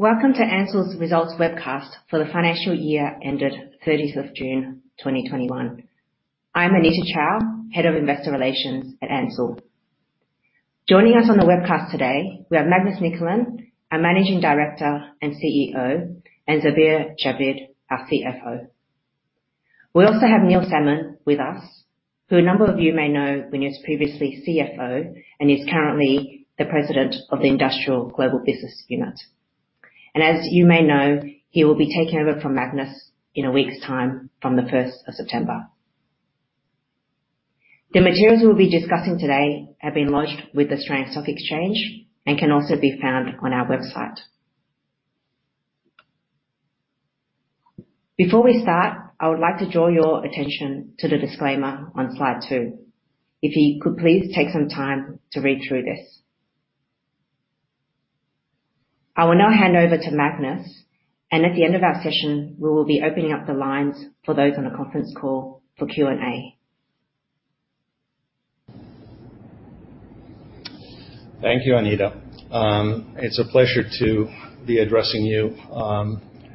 Welcome to Ansell's results webcast for the financial year ended 30th of June 2021. I'm Anita Chow, head of investor relations at Ansell. Joining us on the webcast today we have Magnus Nicolin, our managing director and CEO, and Zubair Javeed, our CFO. We also have Neil Salmon with us, who a number of you may know when he was previously CFO and is currently the President of the Industrial Global Business Unit. As you may know, he will be taking over from Magnus in a week's time, from the 1st of September. The materials we'll be discussing today have been lodged with the Australian Securities Exchange and can also be found on our website. Before we start, I would like to draw your attention to the disclaimer on Slide 2. If you could please take some time to read through this. I will now hand over to Magnus, and at the end of our session, we will be opening up the lines for those on the conference call for Q&A. Thank you, Anita. It's a pleasure to be addressing you,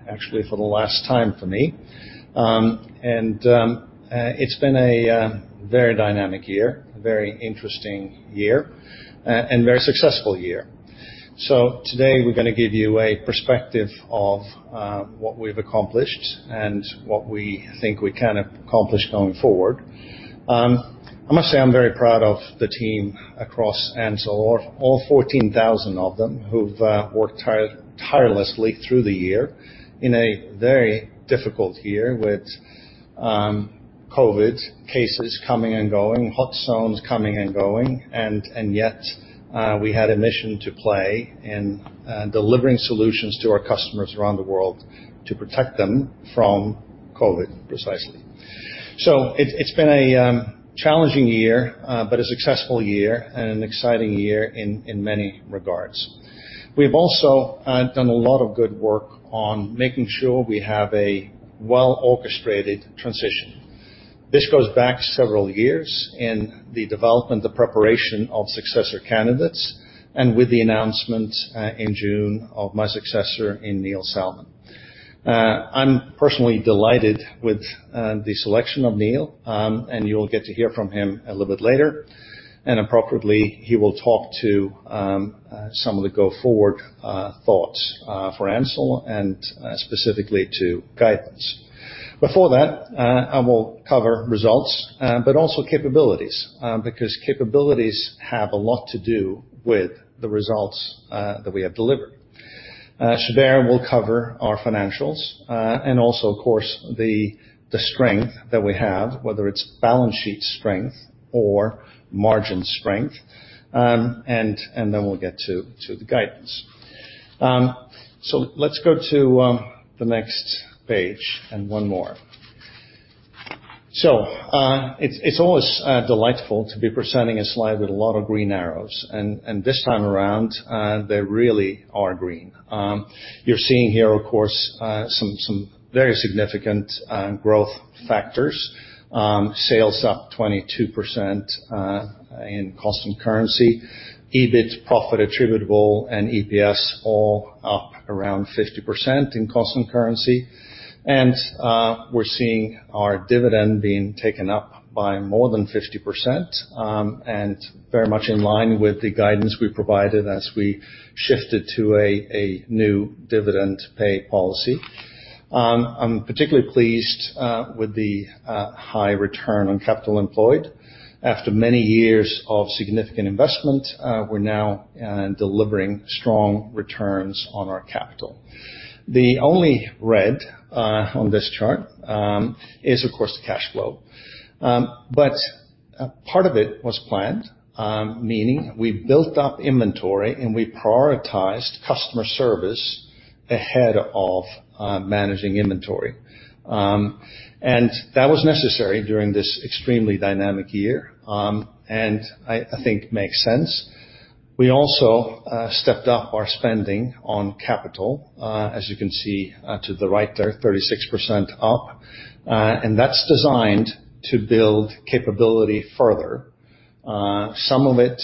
actually for the last time for me. It's been a very dynamic year, a very interesting year, and a very successful year. Today we're going to give you a perspective of what we've accomplished and what we think we can accomplish going forward. I must say, I'm very proud of the team across Ansell, all 14,000 of them, who've worked tirelessly through the year in a very difficult year with COVID cases coming and going, hot zones coming and going, and yet, we had a mission to play in delivering solutions to our customers around the world to protect them from COVID, precisely. It's been a challenging year, but a successful year and an exciting year in many regards. We've also done a lot of good work on making sure we have a well-orchestrated transition. This goes back several years in the development, the preparation of successor candidates, and with the announcement in June of my successor in Neil Salmon. I'm personally delighted with the selection of Neil, and you'll get to hear from him a little bit later. Appropriately, he will talk to some of the go-forward thoughts for Ansell and specifically to guidance. Before that, I will cover results, but also capabilities, because capabilities have a lot to do with the results that we have delivered. Zubair will cover our financials, also, of course, the strength that we have, whether it's balance sheet strength or margin strength, then we'll get to the guidance. Let's go to the next page, and one more. It's always delightful to be presenting a slide with a lot of green arrows, and this time around, they really are green. You're seeing here, of course, some very significant growth factors. Sales up 22% in constant currency, EBIT profit attributable and EPS all up around 50% in constant currency. We're seeing our dividend being taken up by more than 50%, and very much in line with the guidance we provided as we shifted to a new dividend pay policy. I'm particularly pleased with the high return on capital employed. After many years of significant investment, we're now delivering strong returns on our capital. The only red on this chart is, of course, the cash flow. Part of it was planned, meaning we built up inventory and we prioritized customer service ahead of managing inventory. That was necessary during this extremely dynamic year, and I think makes sense. We also stepped up our spending on capital. As you can see to the right there, 36% up, and that's designed to build capability further. Some of it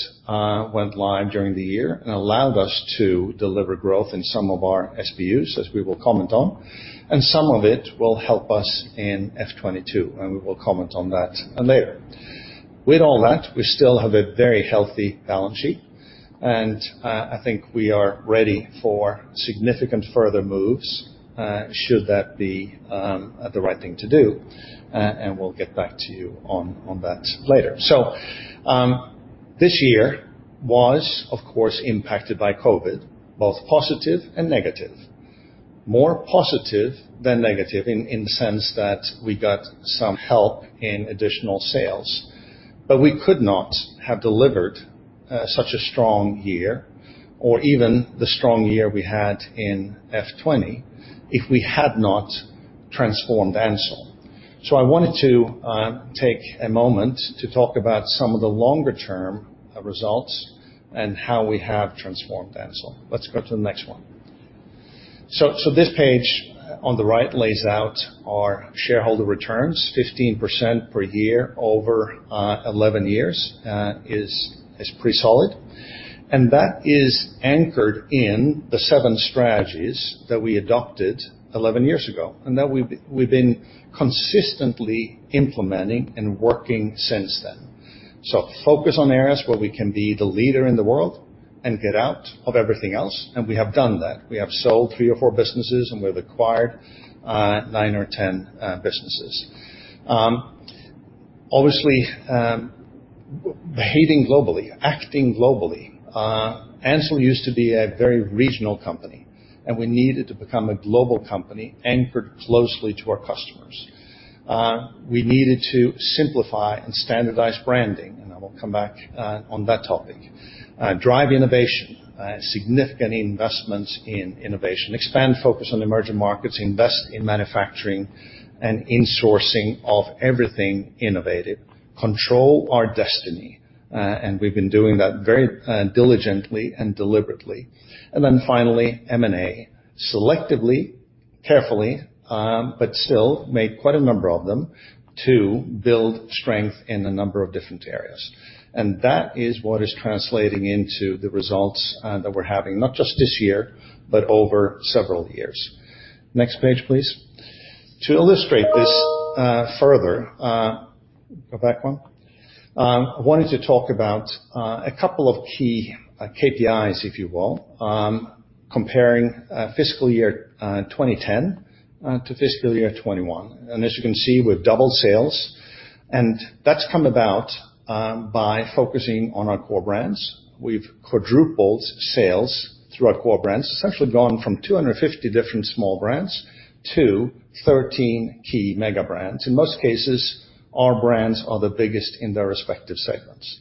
went live during the year and allowed us to deliver growth in some of our SBUs, as we will comment on, and some of it will help us in F2022, and we will comment on that later. With all that, we still have a very healthy balance sheet, and I think we are ready for significant further moves, should that be the right thing to do, and we'll get back to you on that later. This year was, of course, impacted by COVID, both positive and negative. More positive than negative in the sense that we got some help in additional sales. We could not have delivered such a strong year or even the strong year we had in F2020 if we had not transformed Ansell. I wanted to take a moment to talk about some of the longer-term results and how we have transformed Ansell. Let's go to the next one. This page on the right lays out our shareholder returns, 15% per year over 11 years is pretty solid. That is anchored in the seven strategies that we adopted 11 years ago, and that we've been consistently implementing and working since then. Focus on areas where we can be the leader in the world and get out of everything else, and we have done that. We have sold three or four businesses, and we have acquired nine or 10 businesses. Obviously, behaving globally, acting globally. Ansell used to be a very regional company, and we needed to become a global company anchored closely to our customers. We needed to simplify and standardize branding, and I will come back on that topic. Drive innovation, significant investments in innovation. Expand focus on emerging markets, invest in manufacturing and insourcing of everything innovative. Control our destiny, we've been doing that very diligently and deliberately. Finally, M&A. Selectively, carefully, but still made quite a number of them to build strength in a number of different areas. That is what is translating into the results that we're having, not just this year, but over several years. Next page, please. To illustrate this further, go back one. I wanted to talk about a couple of key KPIs, if you will, comparing fiscal year 2010 to fiscal year 2021. As you can see, we've doubled sales, and that's come about by focusing on our core brands. We've quadrupled sales through our core brands, essentially gone from 250 different small brands to 13 key mega brands. In most cases, our brands are the biggest in their respective segments.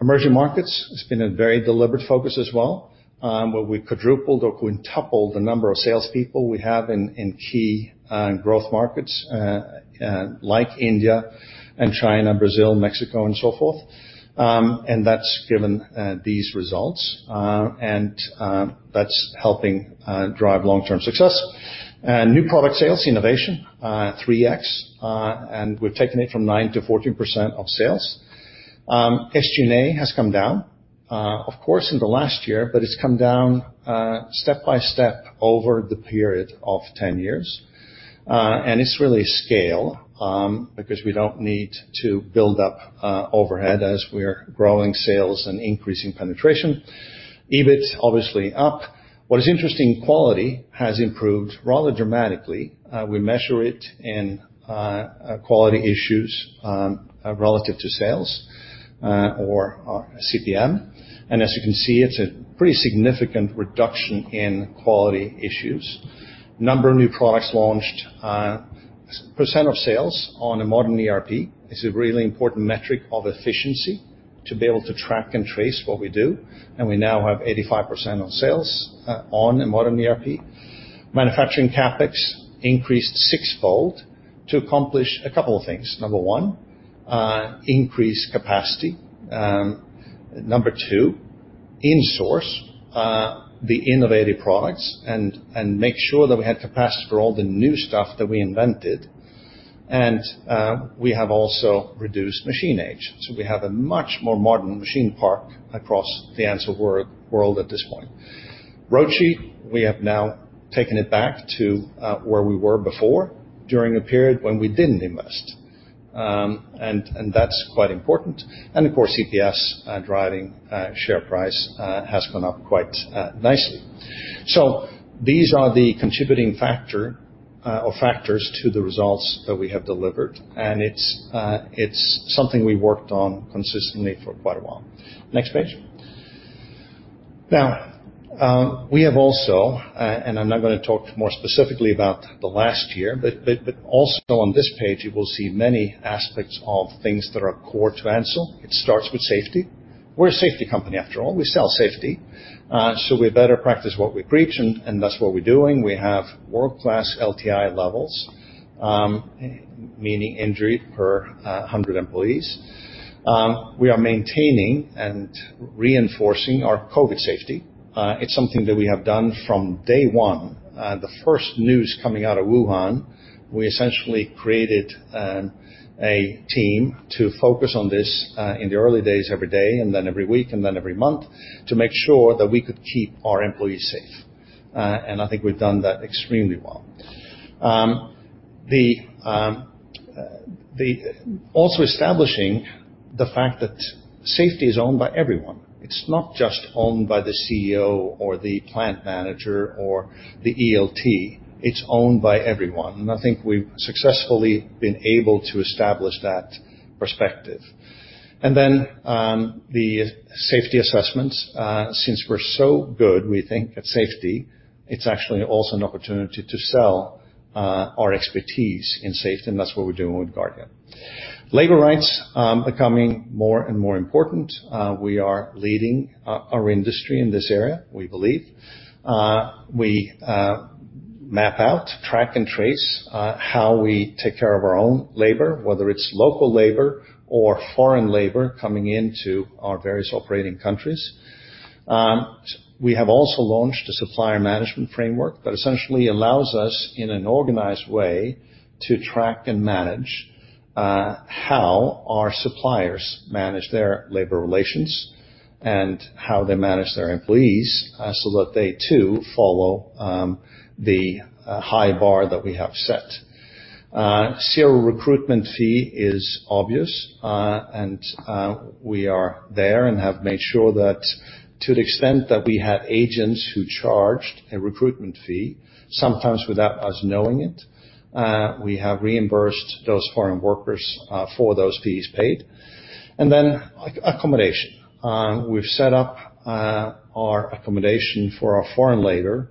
Emerging markets has been a very deliberate focus as well, where we've quadrupled or quintupled the number of salespeople we have in key growth markets like India and China, Brazil, Mexico, and so forth. That's given these results, and that's helping drive long-term success. New product sales, innovation, 3x, and we've taken it from 9%-14% of sales. SG&A has come down, of course, in the last year, but it's come down step by step over the period of 10 years. It's really scale, because we don't need to build up overhead as we're growing sales and increasing penetration. EBIT, obviously up. What is interesting, quality has improved rather dramatically. We measure it in quality issues relative to sales, or CPM. As you can see, it's a pretty significant reduction in quality issues. Number of new products launched percent of sales on a modern ERP is a really important metric of efficiency to be able to track and trace what we do. We now have 85% of sales on a modern ERP. Manufacturing CapEx increased sixfold to accomplish a couple of things. Number one, increase capacity. Number two, insource the innovative products and make sure that we had capacity for all the new stuff that we invented. We have also reduced machine age. We have a much more modern machine park across the Ansell world at this point. ROIC, we have now taken it back to where we were before, during a period when we didn't invest. That's quite important. Of course, EPS driving share price has gone up quite nicely. These are the contributing factor or factors to the results that we have delivered, and it's something we worked on consistently for quite a while. Next page. We have also, and I'm now going to talk more specifically about the last year, but also on this page, you will see many aspects of things that are core to Ansell. It starts with safety. We're a safety company after all. We sell safety. We better practice what we preach, and that's what we're doing. We have world-class LTI levels, meaning injury per 100 employees. We are maintaining and reinforcing our COVID safety. It's something that we have done from day one. The first news coming out of Wuhan, we essentially created a team to focus on this in the early days every day, and then every week, and then every month, to make sure that we could keep our employees safe. I think we've done that extremely well. Also establishing the fact that safety is owned by everyone. It's not just owned by the CEO or the plant manager or the ELT. It's owned by everyone. I think we've successfully been able to establish that perspective. The safety assessments. Since we're so good, we think, at safety, it's actually also an opportunity to sell our expertise in safety, and that's what we're doing with AnsellGUARDIAN. Labor rights becoming more and more important. We are leading our industry in this area, we believe. We map out, track, and trace how we take care of our own labor, whether it's local labor or foreign labor coming into our various operating countries. We have also launched a supplier management framework that essentially allows us, in an organized way, to track and manage how our suppliers manage their labor relations, and how they manage their employees so that they too follow the high bar that we have set. Zero recruitment fee is obvious. We are there and have made sure that to the extent that we had agents who charged a recruitment fee, sometimes without us knowing it, we have reimbursed those foreign workers for those fees paid. Accommodation. We've set up our accommodation for our foreign labor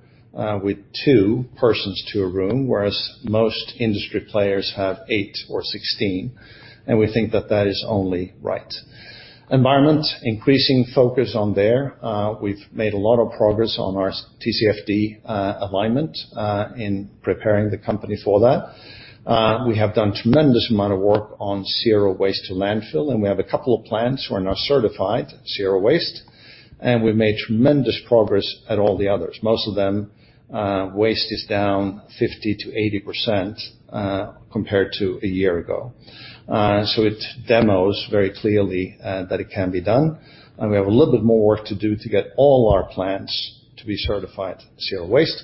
with two persons to a room, whereas most industry players have eight or 16, and we think that that is only right. Environment, increasing focus on there. We've made a lot of progress on our TCFD alignment in preparing the company for that. We have done tremendous amount of work on zero waste to landfill, and we have a couple of plants who are now certified zero waste, and we've made tremendous progress at all the others. Most of them, waste is down 50%-80% compared to a year ago. It demos very clearly that it can be done. We have a little bit more work to do to get all our plants to be certified zero waste.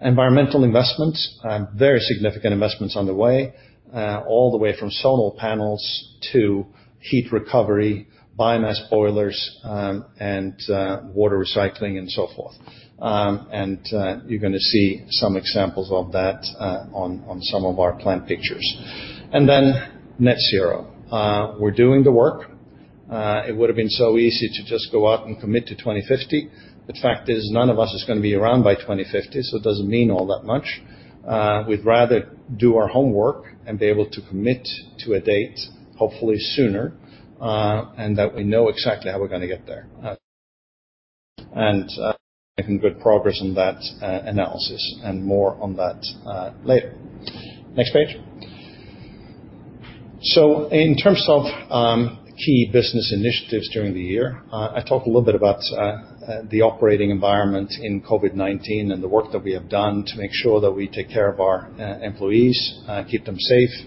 Environmental investments, very significant investments on the way, all the way from solar panels to heat recovery, biomass boilers, and water recycling and so forth. You're going to see some examples of that on some of our plant pictures. Net zero. We're doing the work. It would have been so easy to just go out and commit to 2050. The fact is, none of us is going to be around by 2050, so it doesn't mean all that much. We'd rather do our homework and be able to commit to a date, hopefully sooner, and that we know exactly how we're going to get there. Making good progress on that analysis, and more on that later. Next page. In terms of key business initiatives during the year, I talked a little bit about the operating environment in COVID-19 and the work that we have done to make sure that we take care of our employees, keep them safe,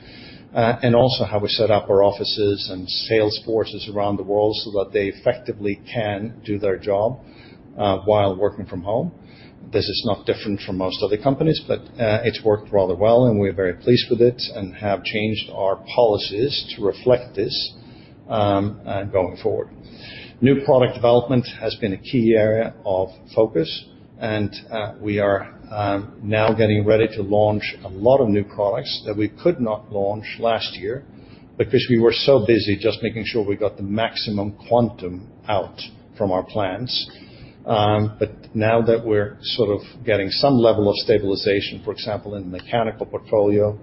and also how we set up our offices and sales forces around the world so that they effectively can do their job while working from home. This is not different from most other companies, but it's worked rather well and we're very pleased with it and have changed our policies to reflect this going forward. New product development has been a key area of focus, and we are now getting ready to launch a lot of new products that we could not launch last year because we were so busy just making sure we got the maximum quantum out from our plans. Now that we're sort of getting some level of stabilization, for example, in the mechanical portfolio,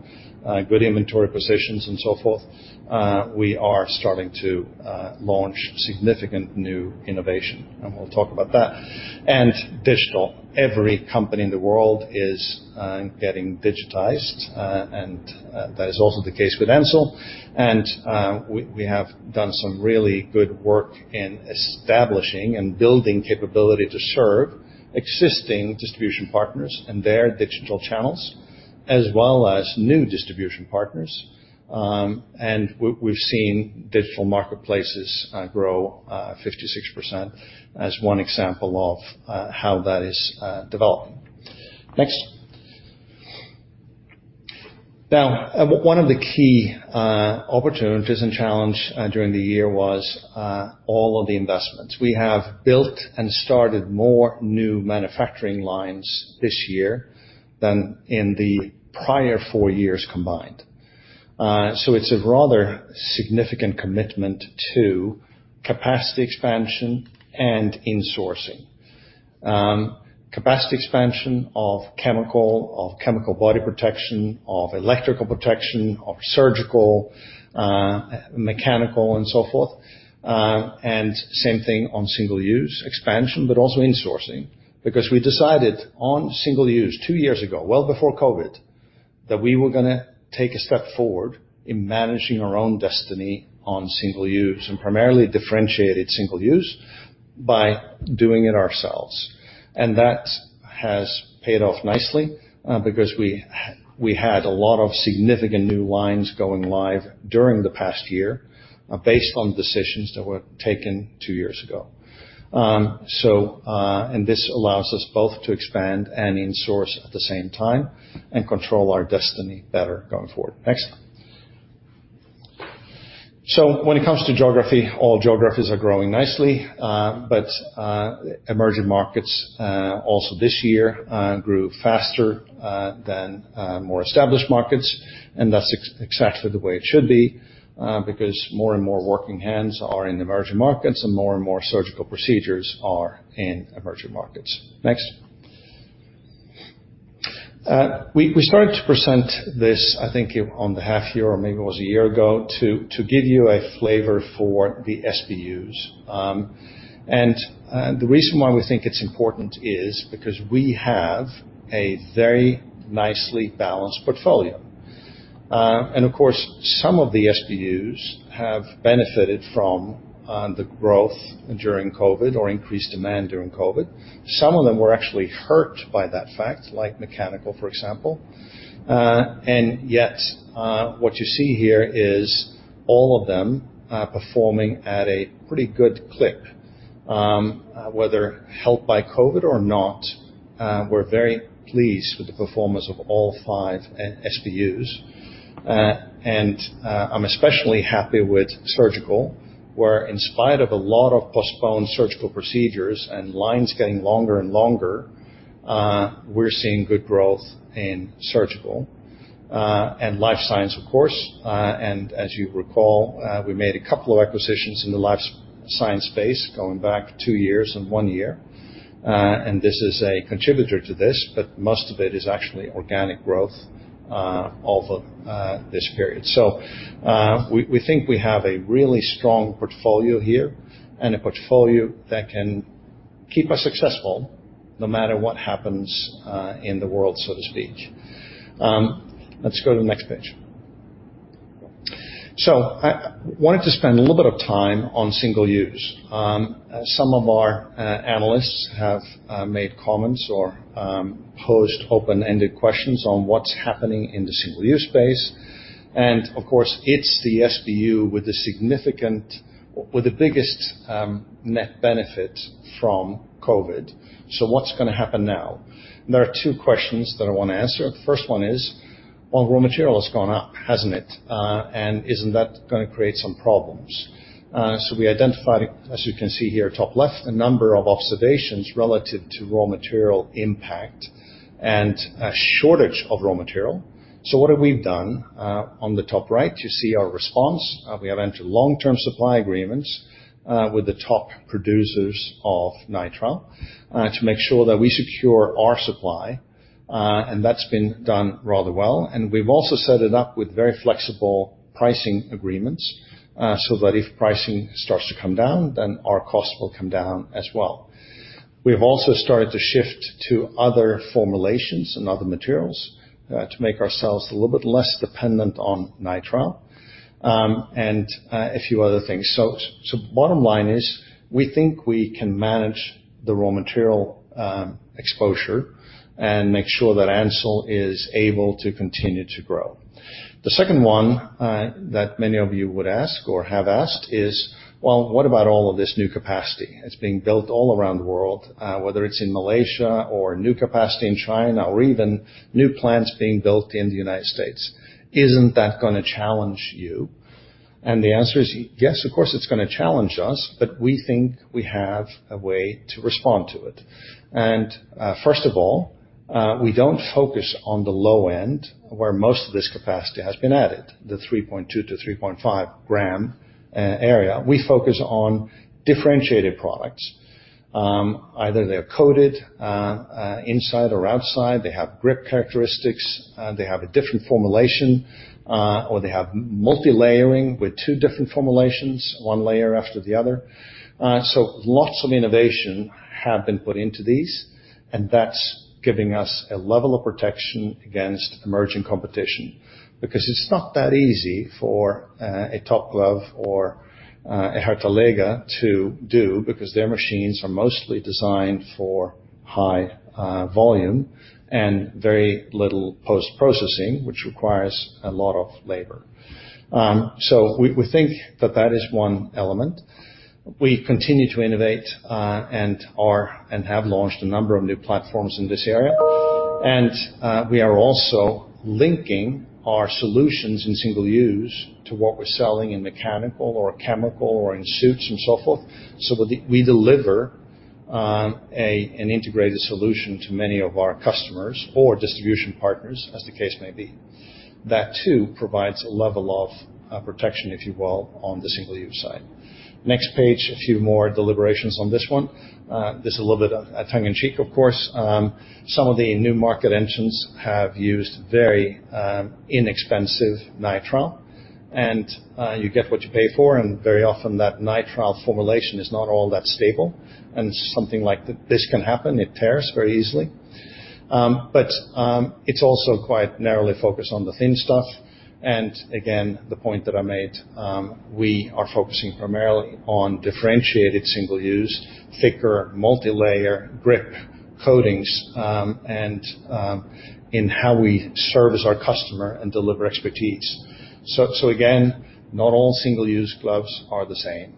good inventory positions and so forth, we are starting to launch significant new innovation, and we'll talk about that. Digital. Every company in the world is getting digitized, and that is also the case with Ansell. We have done some really good work in establishing and building capability to serve existing distribution partners and their digital channels, as well as new distribution partners. We've seen digital marketplaces grow 56% as one example of how that is developing. Next. One of the key opportunities and challenge during the year was all of the investments. We have built and started more new manufacturing lines this year than in the prior four years combined. It's a rather significant commitment to capacity expansion and insourcing. Capacity expansion of chemical body protection, of electrical protection, of surgical, mechanical, and so forth. Same thing on single use. Expansion, but also insourcing, because we decided on single use two years ago, well before COVID-19, that we were going to take a step forward in managing our own destiny on single use, and primarily differentiated single use, by doing it ourselves. That has paid off nicely, because we had a lot of significant new lines going live during the past year based on decisions that were taken two years ago. This allows us both to expand and insource at the same time and control our destiny better going forward. Next. When it comes to geography, all geographies are growing nicely, but emerging markets also this year grew faster than more established markets, and that's exactly the way it should be, because more and more working hands are in emerging markets and more and more surgical procedures are in emerging markets. Next. We started to present this, I think on the half year, or maybe it was a year ago, to give you a flavor for the SBUs. The reason why we think it's important is because we have a very nicely balanced portfolio. Of course, some of the SBUs have benefited from the growth during COVID or increased demand during COVID. Some of them were actually hurt by that fact, like mechanical, for example. Yet what you see here is all of them are performing at a pretty good clip. Whether helped by COVID or not, we're very pleased with the performance of all five SBUs. I'm especially happy with surgical, where in spite of a lot of postponed surgical procedures and lines getting longer and longer, we're seeing good growth in surgical and life science, of course. As you recall, we made a couple of acquisitions in the life science space going back two years and one year. This is a contributor to this, but most of it is actually organic growth over this period. We think we have a really strong portfolio here and a portfolio that can keep us successful no matter what happens in the world, so to speak. Let's go to the next page. I wanted to spend a little bit of time on single-use. Some of our analysts have made comments or posed open-ended questions on what's happening in the single-use space. Of course, it's the SBU with the biggest net benefit from COVID-19. What's going to happen now? There are two questions that I want to answer. The first one is, well, raw material has gone up, hasn't it? Isn't that going to create some problems? We identified, as you can see here, top left, a number of observations relative to raw material impact and a shortage of raw material. What have we done? On the top right, you see our response. We have entered long-term supply agreements with the top producers of nitrile to make sure that we secure our supply, and that's been done rather well. We've also set it up with very flexible pricing agreements so that if pricing starts to come down, then our costs will come down as well. We have also started to shift to other formulations and other materials to make ourselves a little bit less dependent on nitrile, and a few other things. Bottom line is, we think we can manage the raw material exposure and make sure that Ansell is able to continue to grow. The second one that many of you would ask or have asked is, well, what about all of this new capacity that's being built all around the world, whether it's in Malaysia or new capacity in China or even new plants being built in the U.S.? Isn't that going to challenge you? The answer is, yes, of course, it's going to challenge us, but we think we have a way to respond to it. First of all, we don't focus on the low end where most of this capacity has been added, the 3.2 g-3.5 g area. We focus on differentiated products. Either they're coated inside or outside, they have grip characteristics, they have a different formulation, or they have multi-layering with two different formulations, one layer after the other. Lots of innovation have been put into these, and that's giving us a level of protection against emerging competition. It's not that easy for a Top Glove or a Hartalega to do, because their machines are mostly designed for high volume and very little post-processing, which requires a lot of labor. We think that that is one element. We continue to innovate and have launched a number of new platforms in this area. We are also linking our solutions in single-use to what we're selling in mechanical or chemical or in suits and so forth, so that we deliver an integrated solution to many of our customers or distribution partners as the case may be. That too provides a level of protection, if you will, on the single-use side. Next page, a few more deliberations on this one. This is a little bit of tongue in cheek, of course. Some of the new market entrants have used very inexpensive nitrile, and you get what you pay for, and very often that nitrile formulation is not all that stable. Something like this can happen. It tears very easily. It's also quite narrowly focused on the thin stuff. Again, the point that I made, we are focusing primarily on differentiated single-use, thicker, multi-layer grip coatings, and in how we service our customer and deliver expertise. Again, not all single-use gloves are the same.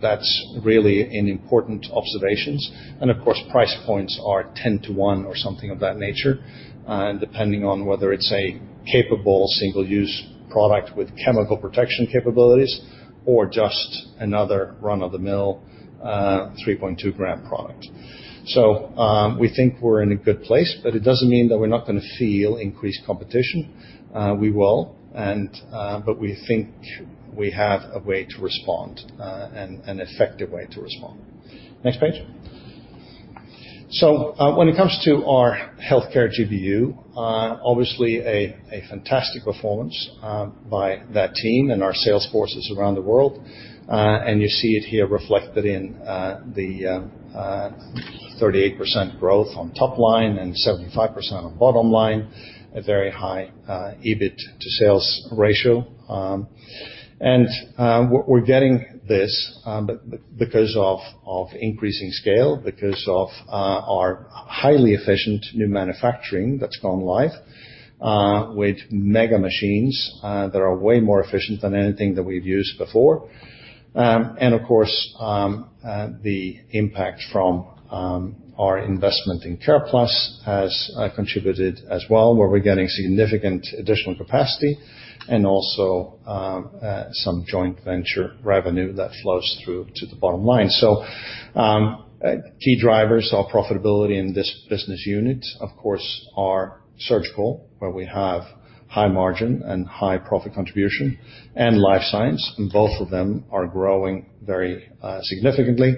That's really an important observation. Of course, price points are 10 to one or something of that nature, depending on whether it's a capable single-use product with chemical protection capabilities or just another run-of-the-mill 3.2 g product. We think we're in a good place, but it doesn't mean that we're not going to feel increased competition. We will, but we think we have a way to respond, an effective way to respond. Next page. When it comes to our Healthcare GBU, obviously a fantastic performance by that team and our sales forces around the world. You see it here reflected in the 38% growth on top line and 75% on bottom line, a very high EBIT to sales ratio. We're getting this because of increasing scale, because of our highly efficient new manufacturing that's gone live with mega machines that are way more efficient than anything that we've used before. Of course, the impact from our investment in Careplus has contributed as well, where we're getting significant additional capacity and also some joint venture revenue that flows through to the bottom line. Key drivers of profitability in this business unit, of course, are surgical, where we have high margin and high profit contribution, and life science. Both of them are growing very significantly,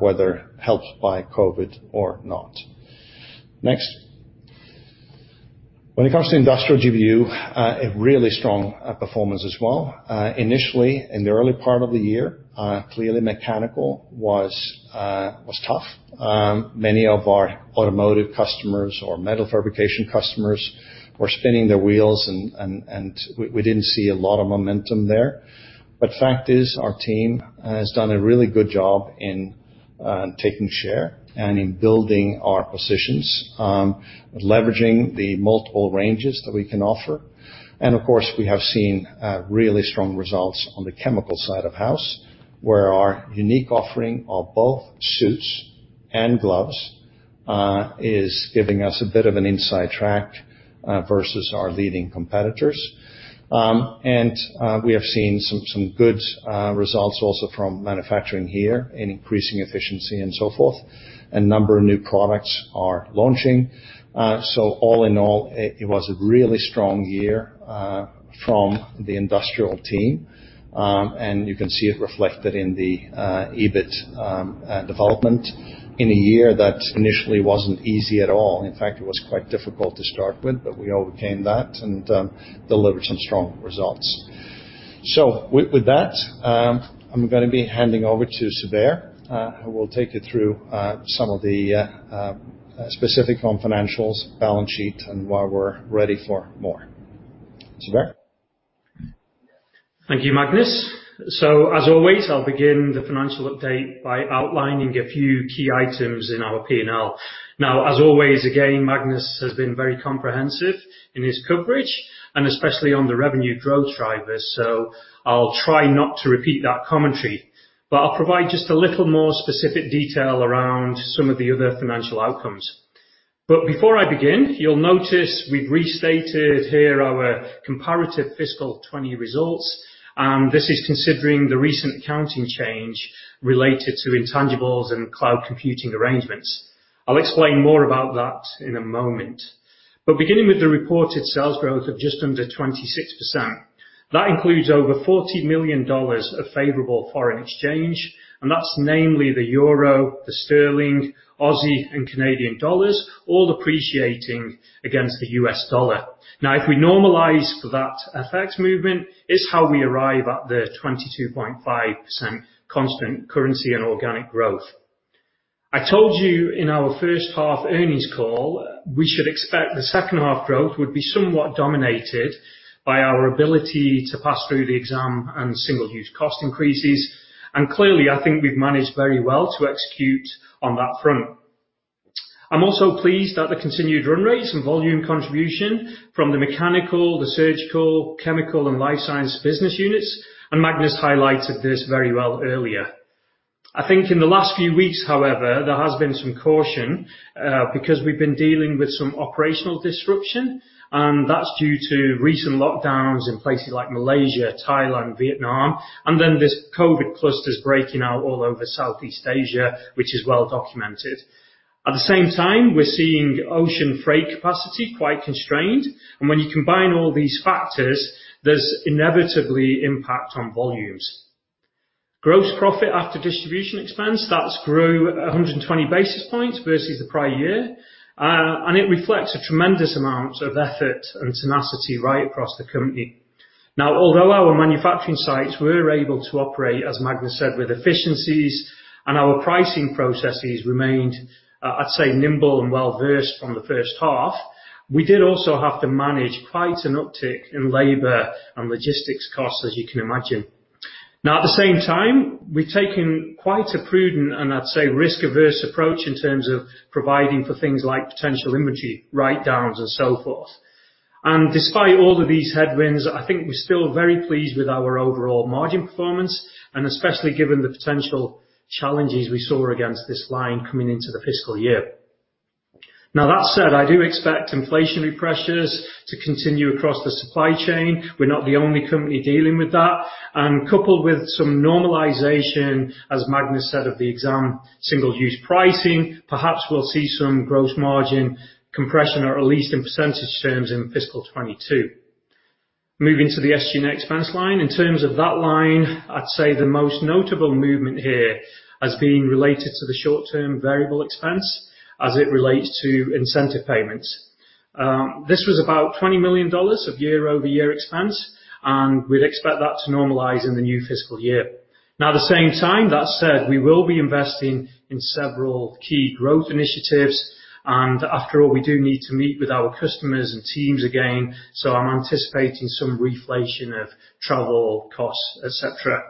whether helped by COVID or not. Next. When it comes to Industrial GBU, a really strong performance as well. Initially, in the early part of the year, clearly mechanical was tough. Many of our automotive customers or metal fabrication customers were spinning their wheels, and we didn't see a lot of momentum there. Fact is, our team has done a really good job in taking share and in building our positions, leveraging the multiple ranges that we can offer. Of course, we have seen really strong results on the chemical side of house, where our unique offering of both suits and gloves is giving us a bit of an inside track versus our leading competitors. We have seen some good results also from manufacturing here in increasing efficiency and so forth. A number of new products are launching. All in all, it was a really strong year from the industrial team. You can see it reflected in the EBIT development in a year that initially wasn't easy at all. In fact, it was quite difficult to start with, but we overcame that and delivered some strong results. With that, I'm going to be handing over to Zubair, who will take you through some of the specifics on financials, balance sheet, and why we're ready for more. Zubair. Thank you, Magnus. As always, I'll begin the financial update by outlining a few key items in our P&L. As always, again, Magnus has been very comprehensive in his coverage, and especially on the revenue growth drivers, I'll try not to repeat that commentary. I'll provide just a little more specific detail around some of the other financial outcomes. Before I begin, you'll notice we've restated here our comparative FY 2020 results. This is considering the recent accounting change related to intangibles and cloud computing arrangements. I'll explain more about that in a moment. Beginning with the reported sales growth of just under 26%, that includes over $40 million of favorable foreign exchange, and that's namely the euro, the sterling, Aussie, and Canadian dollars, all appreciating against the U.S. dollar. If we normalize for that FX movement, it's how we arrive at the 22.5% constant currency and organic growth. I told you in our first half earnings call, we should expect the second half growth would be somewhat dominated by our ability to pass through the exam and single-use cost increases. Clearly, I think we've managed very well to execute on that front. I'm also pleased at the continued run rates and volume contribution from the mechanical, the surgical, chemical, and life science business units, and Magnus highlighted this very well earlier. I think in the last few weeks, however, there has been some caution because we've been dealing with some operational disruption, and that's due to recent lockdowns in places like Malaysia, Thailand, Vietnam, and then these COVID-19 clusters breaking out all over Southeast Asia, which is well documented. At the same time, we're seeing ocean freight capacity quite constrained. When you combine all these factors, there's inevitably impact on volumes. Gross profit after distribution expense, that's grew 120 basis points versus the prior year. It reflects a tremendous amount of effort and tenacity right across the company. Now, although our manufacturing sites were able to operate, as Magnus said, with efficiencies and our pricing processes remained, I'd say, nimble and well-versed from the first half, we did also have to manage quite an uptick in labor and logistics costs, as you can imagine. Now, at the same time, we've taken quite a prudent, and I'd say risk-averse approach in terms of providing for things like potential inventory write-downs and so forth. Despite all of these headwinds, I think we're still very pleased with our overall margin performance, especially given the potential challenges we saw against this line coming into the fiscal year. That said, I do expect inflationary pressures to continue across the supply chain. We're not the only company dealing with that. Coupled with some normalization, as Magnus said of the exam, single-use pricing, perhaps we'll see some gross margin compression, or at least in percentage terms in fiscal 2022. Moving to the SG&A expense line. In terms of that line, I'd say the most notable movement here has been related to the short-term variable expense as it relates to incentive payments. This was about $20 million of year-over-year expense, and we'd expect that to normalize in the new fiscal year. At the same time, that said, we will be investing in several key growth initiatives, and after all, we do need to meet with our customers and teams again, so I'm anticipating some reflation of travel costs, et cetera.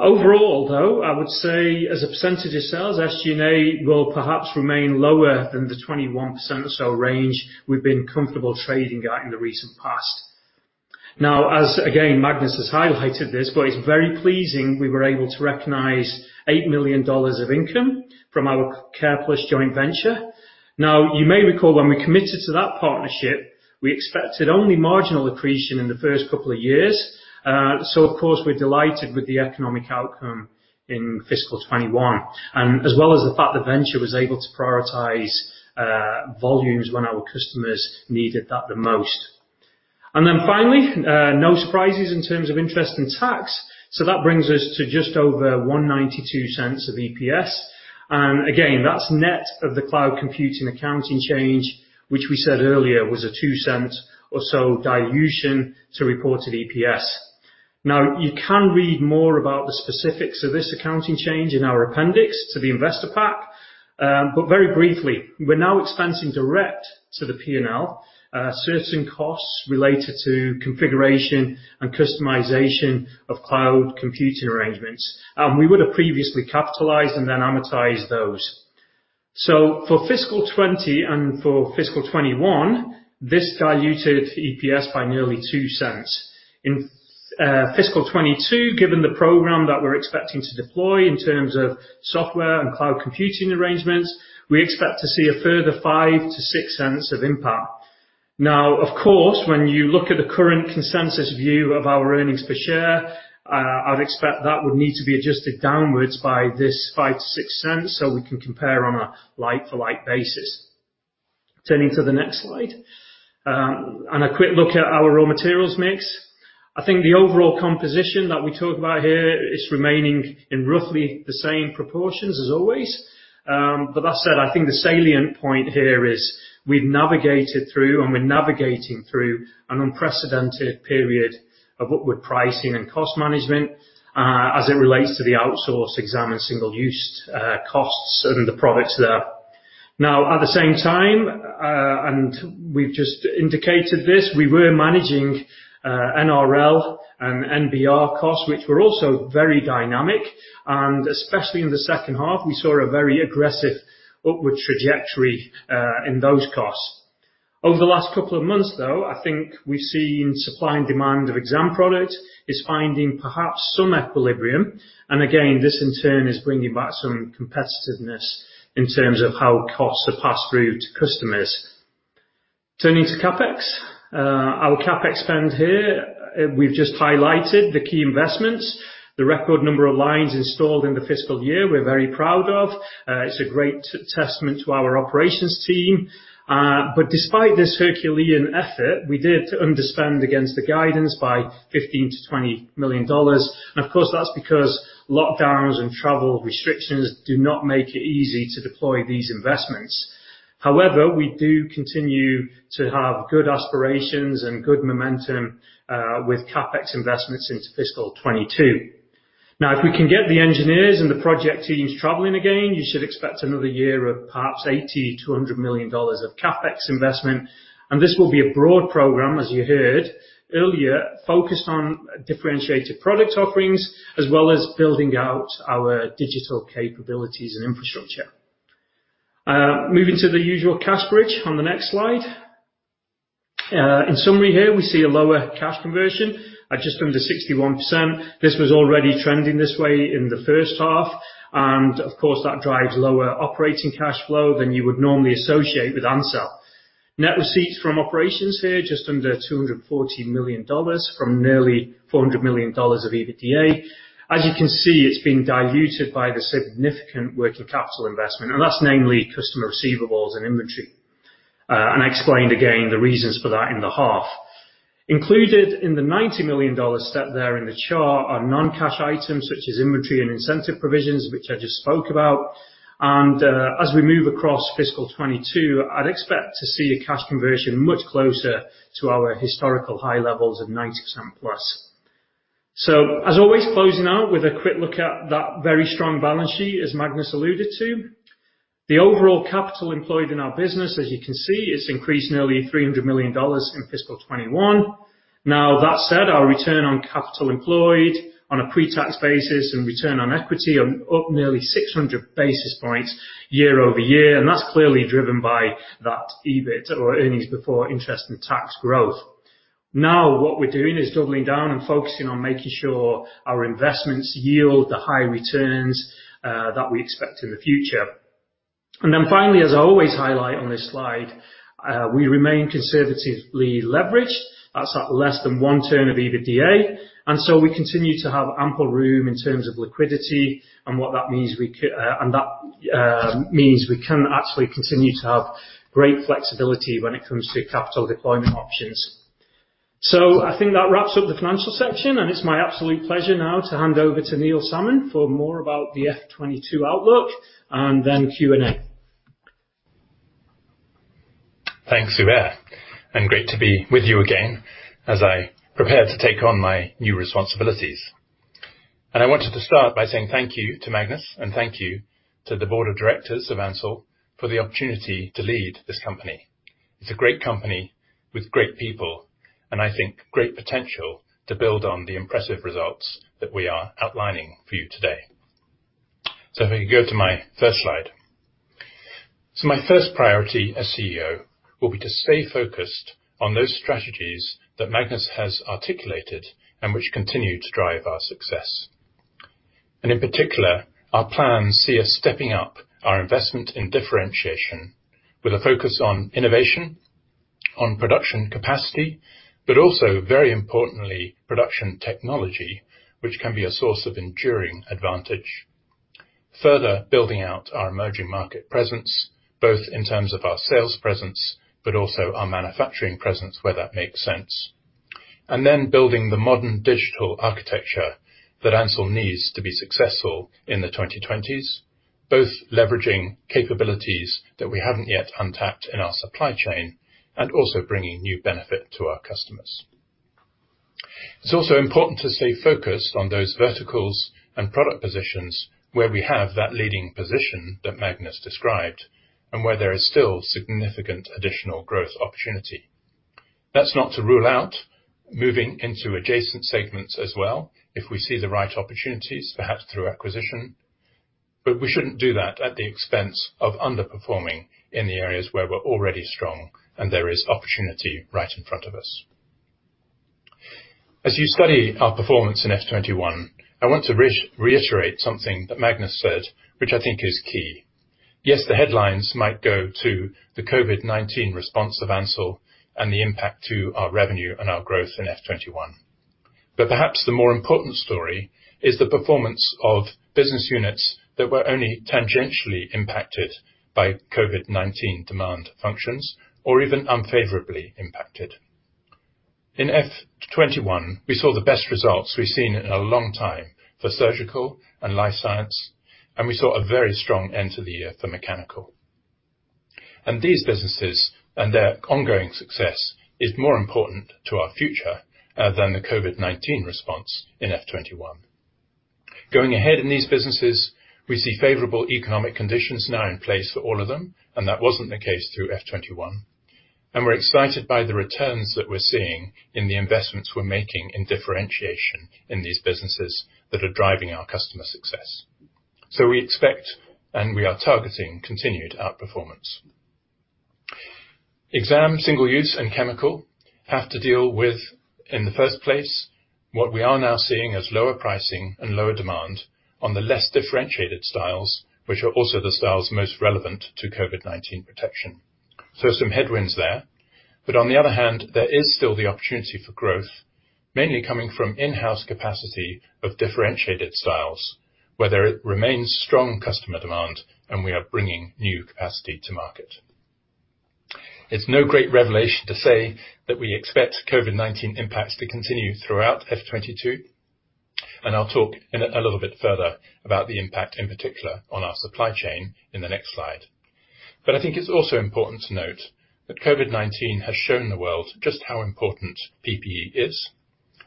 Overall, though, I would say as a percentage of sales, SG&A will perhaps remain lower than the 21% or so range we've been comfortable trading at in the recent past. As again, Magnus has highlighted this, but it's very pleasing we were able to recognize $8 million of income from our Careplus joint venture. You may recall when we committed to that partnership, we expected only marginal accretion in the first couple of years. Of course, we're delighted with the economic outcome in fiscal 2021. As well as the fact the venture was able to prioritize volumes when our customers needed that the most. Finally, no surprises in terms of interest in tax. That brings us to just over $0.0192 of EPS. Again, that's net of the cloud computing accounting change, which we said earlier was a $0.02 or so dilution to reported EPS. You can read more about the specifics of this accounting change in our appendix to the investor pack. Very briefly, we're now expensing direct to the P&L certain costs related to configuration and customization of cloud computing arrangements. We would have previously capitalized and then amortized those. For FY 2020 and for FY 2021, this diluted EPS by nearly $0.02. In FY 2022, given the program that we're expecting to deploy in terms of software and cloud computing arrangements, we expect to see a further $0.05-$0.06 of impact. Now, of course, when you look at the current consensus view of our earnings per share, I'd expect that would need to be adjusted downwards by this $0.05-$0.06 so we can compare on a like-for-like basis. Turning to the next slide. A quick look at our raw materials mix. I think the overall composition that we talk about here is remaining in roughly the same proportions as always. That said, I think the salient point here is we've navigated through, and we're navigating through an unprecedented period of upward pricing and cost management as it relates to the outsourced exam and single-use costs and the products there. Now, at the same time, and we've just indicated this, we were managing NRL and NBR costs, which were also very dynamic, and especially in the second half, we saw a very aggressive upward trajectory in those costs. Over the last couple of months, though, I think we've seen supply and demand of exam product is finding perhaps some equilibrium, and again, this in turn is bringing back some competitiveness in terms of how costs are passed through to customers. Turning to CapEx. Our CapEx spend here, we've just highlighted the key investments. The record number of lines installed in the fiscal year, we're very proud of. It's a great testament to our operations team. Despite this Herculean effort, we did underspend against the guidance by $15 million-$20 million. Of course, that's because lockdowns and travel restrictions do not make it easy to deploy these investments. However, we do continue to have good aspirations and good momentum with CapEx investments into fiscal 2022. If we can get the engineers and the project teams traveling again, you should expect another year of perhaps $80 million-$100 million of CapEx investment, and this will be a broad program, as you heard earlier, focused on differentiated product offerings, as well as building out our digital capabilities and infrastructure. Moving to the usual cash bridge on the next slide. In summary here, we see a lower cash conversion at just under 61%. This was already trending this way in the first half, and of course, that drives lower operating cash flow than you would normally associate with Ansell. Net receipts from operations here, just under $240 million from nearly $400 million of EBITDA. As you can see, it's been diluted by the significant working capital investment, and that's namely customer receivables and inventory. I explained again the reasons for that in the half. Included in the $90 million step there in the chart are non-cash items such as inventory and incentive provisions, which I just spoke about. As we move across fiscal 2022, I'd expect to see a cash conversion much closer to our historical high levels of 90%+. As always, closing out with a quick look at that very strong balance sheet, as Magnus alluded to. The overall capital employed in our business, as you can see, is increased nearly $300 million in fiscal 2021. That said, our return on capital employed on a pre-tax basis and return on equity are up nearly 600 basis points year-over-year, and that's clearly driven by that EBIT or earnings before interest and tax growth. What we're doing is doubling down and focusing on making sure our investments yield the high returns that we expect in the future. Finally, as I always highlight on this slide, we remain conservatively leveraged. That's at less than one turn of EBITDA. We continue to have ample room in terms of liquidity, and that means we can actually continue to have great flexibility when it comes to capital deployment options. I think that wraps up the financial section, and it's my absolute pleasure now to hand over to Neil Salmon for more about the F2022 outlook and then Q&A. Thanks, Zubair. Great to be with you again as I prepare to take on my new responsibilities. I wanted to start by saying thank you to Magnus and thank you to the board of directors of Ansell for the opportunity to lead this company. It's a great company with great people and I think great potential to build on the impressive results that we are outlining for you today. If we can go to my first slide. My first priority as CEO will be to stay focused on those strategies that Magnus has articulated and which continue to drive our success. In particular, our plans see us stepping up our investment in differentiation with a focus on innovation, on production capacity, but also very importantly, production technology, which can be a source of enduring advantage. Further building out our emerging market presence, both in terms of our sales presence, but also our manufacturing presence where that makes sense. Building the modern digital architecture that Ansell needs to be successful in the 2020s, both leveraging capabilities that we haven't yet untapped in our supply chain and also bringing new benefit to our customers. It's also important to stay focused on those verticals and product positions where we have that leading position that Magnus described and where there is still significant additional growth opportunity. That's not to rule out moving into adjacent segments as well if we see the right opportunities, perhaps through acquisition, but we shouldn't do that at the expense of underperforming in the areas where we're already strong and there is opportunity right in front of us. As you study our performance in FY 2021, I want to reiterate something that Magnus said, which I think is key. Yes, the headlines might go to the COVID-19 response of Ansell and the impact to our revenue and our growth in FY 2021. Perhaps the more important story is the performance of business units that were only tangentially impacted by COVID-19 demand functions or even unfavorably impacted. In FY 2021, we saw the best results we've seen in a long time for Surgical and Life Science, and we saw a very strong end to the year for Mechanical. These businesses and their ongoing success is more important to our future than the COVID-19 response in FY 2021. Going ahead in these businesses, we see favorable economic conditions now in place for all of them, and that wasn't the case through FY 2021. We're excited by the returns that we're seeing in the investments we're making in differentiation in these businesses that are driving our customer success. We expect and we are targeting continued outperformance. Exam, single use, and chemical have to deal with, in the first place, what we are now seeing as lower pricing and lower demand on the less differentiated styles, which are also the styles most relevant to COVID-19 protection. Some headwinds there. On the other hand, there is still the opportunity for growth, mainly coming from in-house capacity of differentiated styles, where there remains strong customer demand and we are bringing new capacity to market. It's no great revelation to say that we expect COVID-19 impacts to continue throughout F2022, and I'll talk in a little bit further about the impact in particular on our supply chain in the next slide. I think it's also important to note that COVID-19 has shown the world just how important PPE is,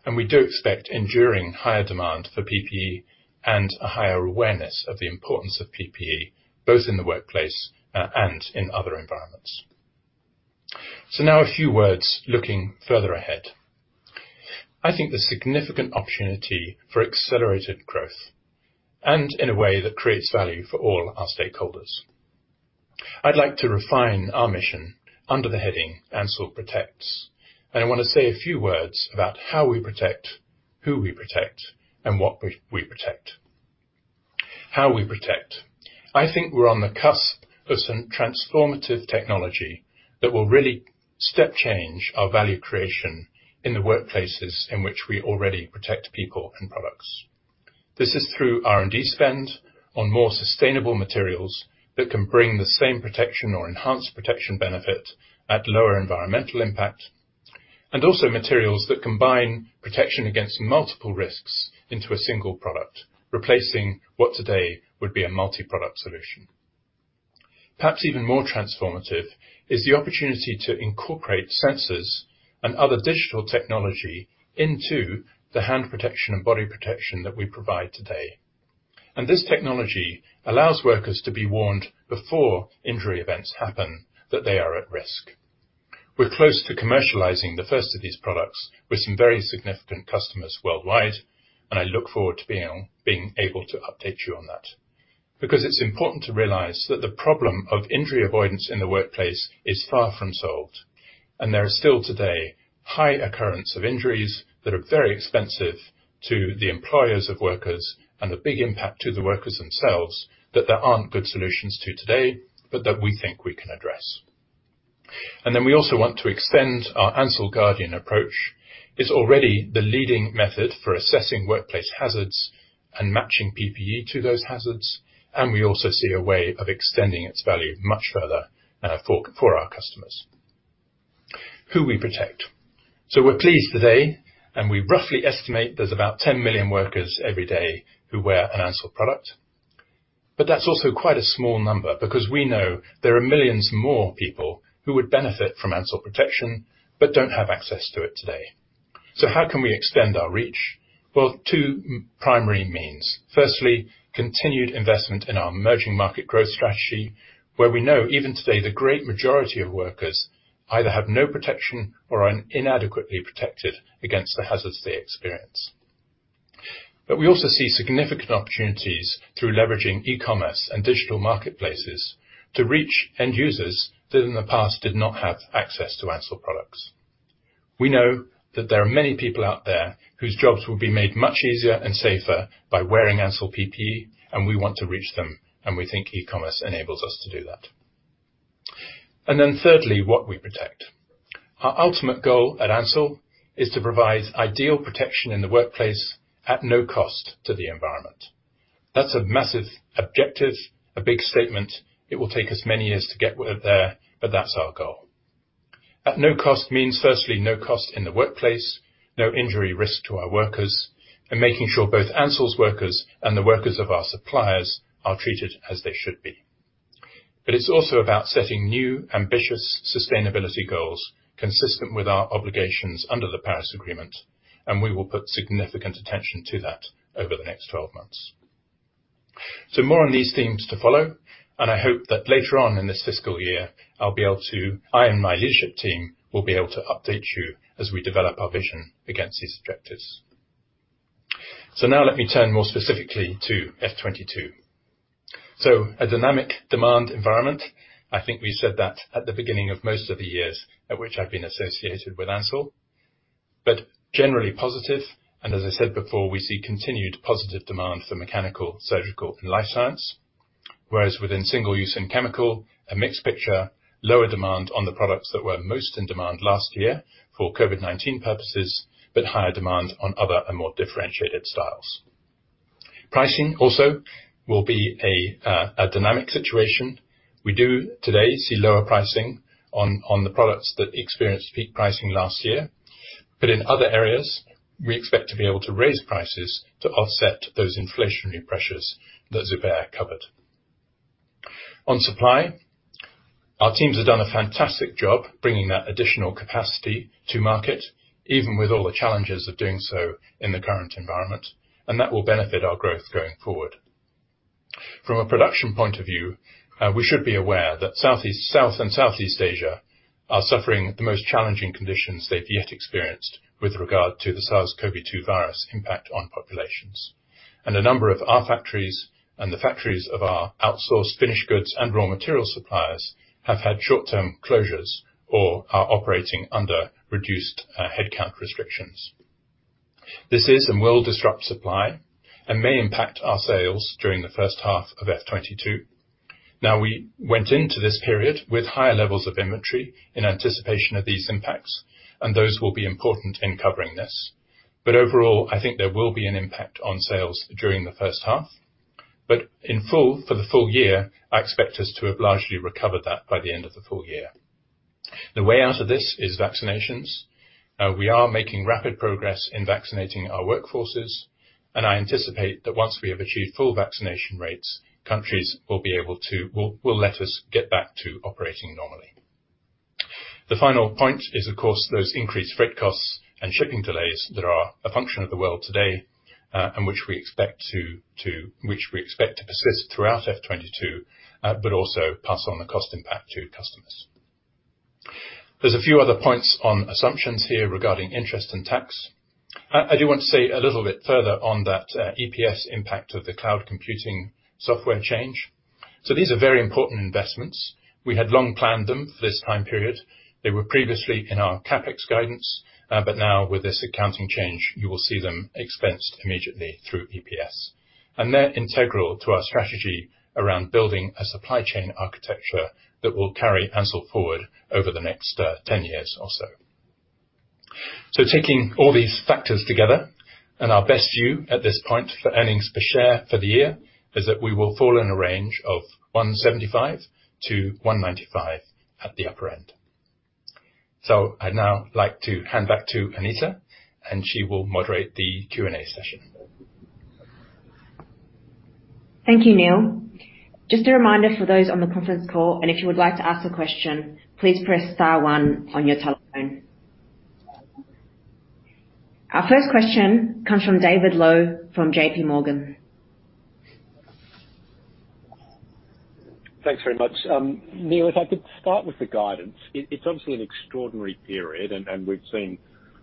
and we do expect enduring higher demand for PPE and a higher awareness of the importance of PPE, both in the workplace and in other environments. Now a few words looking further ahead. I think there's significant opportunity for accelerated growth and in a way that creates value for all our stakeholders. I'd like to refine our mission under the heading Ansell Protects, I want to say a few words about how we protect, who we protect, and what we protect. How we protect. I think we're on the cusp of some transformative technology that will really step change our value creation in the workplaces in which we already protect people and products. This is through R&D spend on more sustainable materials that can bring the same protection or enhanced protection benefit at lower environmental impact, and also materials that combine protection against multiple risks into a single product, replacing what today would be a multi-product solution. Perhaps even more transformative is the opportunity to incorporate sensors and other digital technology into the hand protection and body protection that we provide today. This technology allows workers to be warned before injury events happen that they are at risk. We're close to commercializing the first of these products with some very significant customers worldwide, and I look forward to being able to update you on that. It's important to realize that the problem of injury avoidance in the workplace is far from solved, there is still today high occurrence of injuries that are very expensive to the employers of workers and a big impact to the workers themselves that there aren't good solutions to today, that we think we can address. We also want to extend our AnsellGUARDIAN approach. It's already the leading method for assessing workplace hazards and matching PPE to those hazards, we also see a way of extending its value much further for our customers. Who we protect. We're pleased today, we roughly estimate there's about 10 million workers every day who wear an Ansell product. That's also quite a small number because we know there are millions more people who would benefit from Ansell protection but don't have access to it today. How can we extend our reach? Well, two primary means. Firstly, continued investment in our emerging market growth strategy, where we know even today the great majority of workers either have no protection or are inadequately protected against the hazards they experience. We also see significant opportunities through leveraging e-commerce and digital marketplaces to reach end users that in the past did not have access to Ansell products. We know that there are many people out there whose jobs will be made much easier and safer by wearing Ansell PPE, and we want to reach them, and we think e-commerce enables us to do that. Then thirdly, what we protect. Our ultimate goal at Ansell is to provide ideal protection in the workplace at no cost to the environment. That's a massive objective, a big statement. It will take us many years to get there, but that's our goal. At no cost means firstly no cost in the workplace, no injury risk to our workers, and making sure both Ansell's workers and the workers of our suppliers are treated as they should be. It's also about setting new, ambitious sustainability goals consistent with our obligations under the Paris Agreement, and we will put significant attention to that over the next 12 months. More on these themes to follow, and I hope that later on in this fiscal year, I and my leadership team will be able to update you as we develop our vision against these objectives. Now let me turn more specifically to FY 2022. A dynamic demand environment. I think we said that at the beginning of most of the years at which I've been associated with Ansell, but generally positive, and as I said before, we see continued positive demand for mechanical, surgical and life science. Whereas within single use and chemical, a mixed picture, lower demand on the products that were most in demand last year for COVID-19 purposes, but higher demand on other and more differentiated styles. Pricing also will be a dynamic situation. We do today see lower pricing on the products that experienced peak pricing last year. In other areas, we expect to be able to raise prices to offset those inflationary pressures that Zubair covered. On supply, our teams have done a fantastic job bringing that additional capacity to market, even with all the challenges of doing so in the current environment, and that will benefit our growth going forward. From a production point of view, we should be aware that South and Southeast Asia are suffering the most challenging conditions they've yet experienced with regard to the SARS-CoV-2 virus impact on populations. A number of our factories and the factories of our outsourced finished goods and raw material suppliers have had short-term closures or are operating under reduced headcount restrictions. This is and will disrupt supply and may impact our sales during the first half of F2022. Now we went into this period with higher levels of inventory in anticipation of these impacts, and those will be important in covering this. Overall, I think there will be an impact on sales during the first half. For the full year, I expect us to have largely recovered that by the end of the full year. The way out of this is vaccinations. We are making rapid progress in vaccinating our workforces. I anticipate that once we have achieved full vaccination rates, countries will let us get back to operating normally. The final point is, of course, those increased freight costs and shipping delays that are a function of the world today, and which we expect to persist throughout F2022, but also pass on the cost impact to customers. There's a few other points on assumptions here regarding interest and tax. I do want to say a little bit further on that EPS impact of the cloud computing software change. These are very important investments. We had long planned them for this time period. They were previously in our CapEx guidance, but now with this accounting change, you will see them expensed immediately through EPS. They're integral to our strategy around building a supply chain architecture that will carry Ansell forward over the next 10 years or so. Taking all these factors together and our best view at this point for earnings per share for the year is that we will fall in a range of $1.75-$1.95 at the upper end. I'd now like to hand back to Anita, and she will moderate the Q&A session. Thank you, Neil. Just a reminder for those on the conference call, and if you would like to ask a question, please press star one on your telephone. Our first question comes from David Low from JPMorgan. Thanks very much. Neil, if I could start with the guidance. It's obviously an extraordinary period and we've seen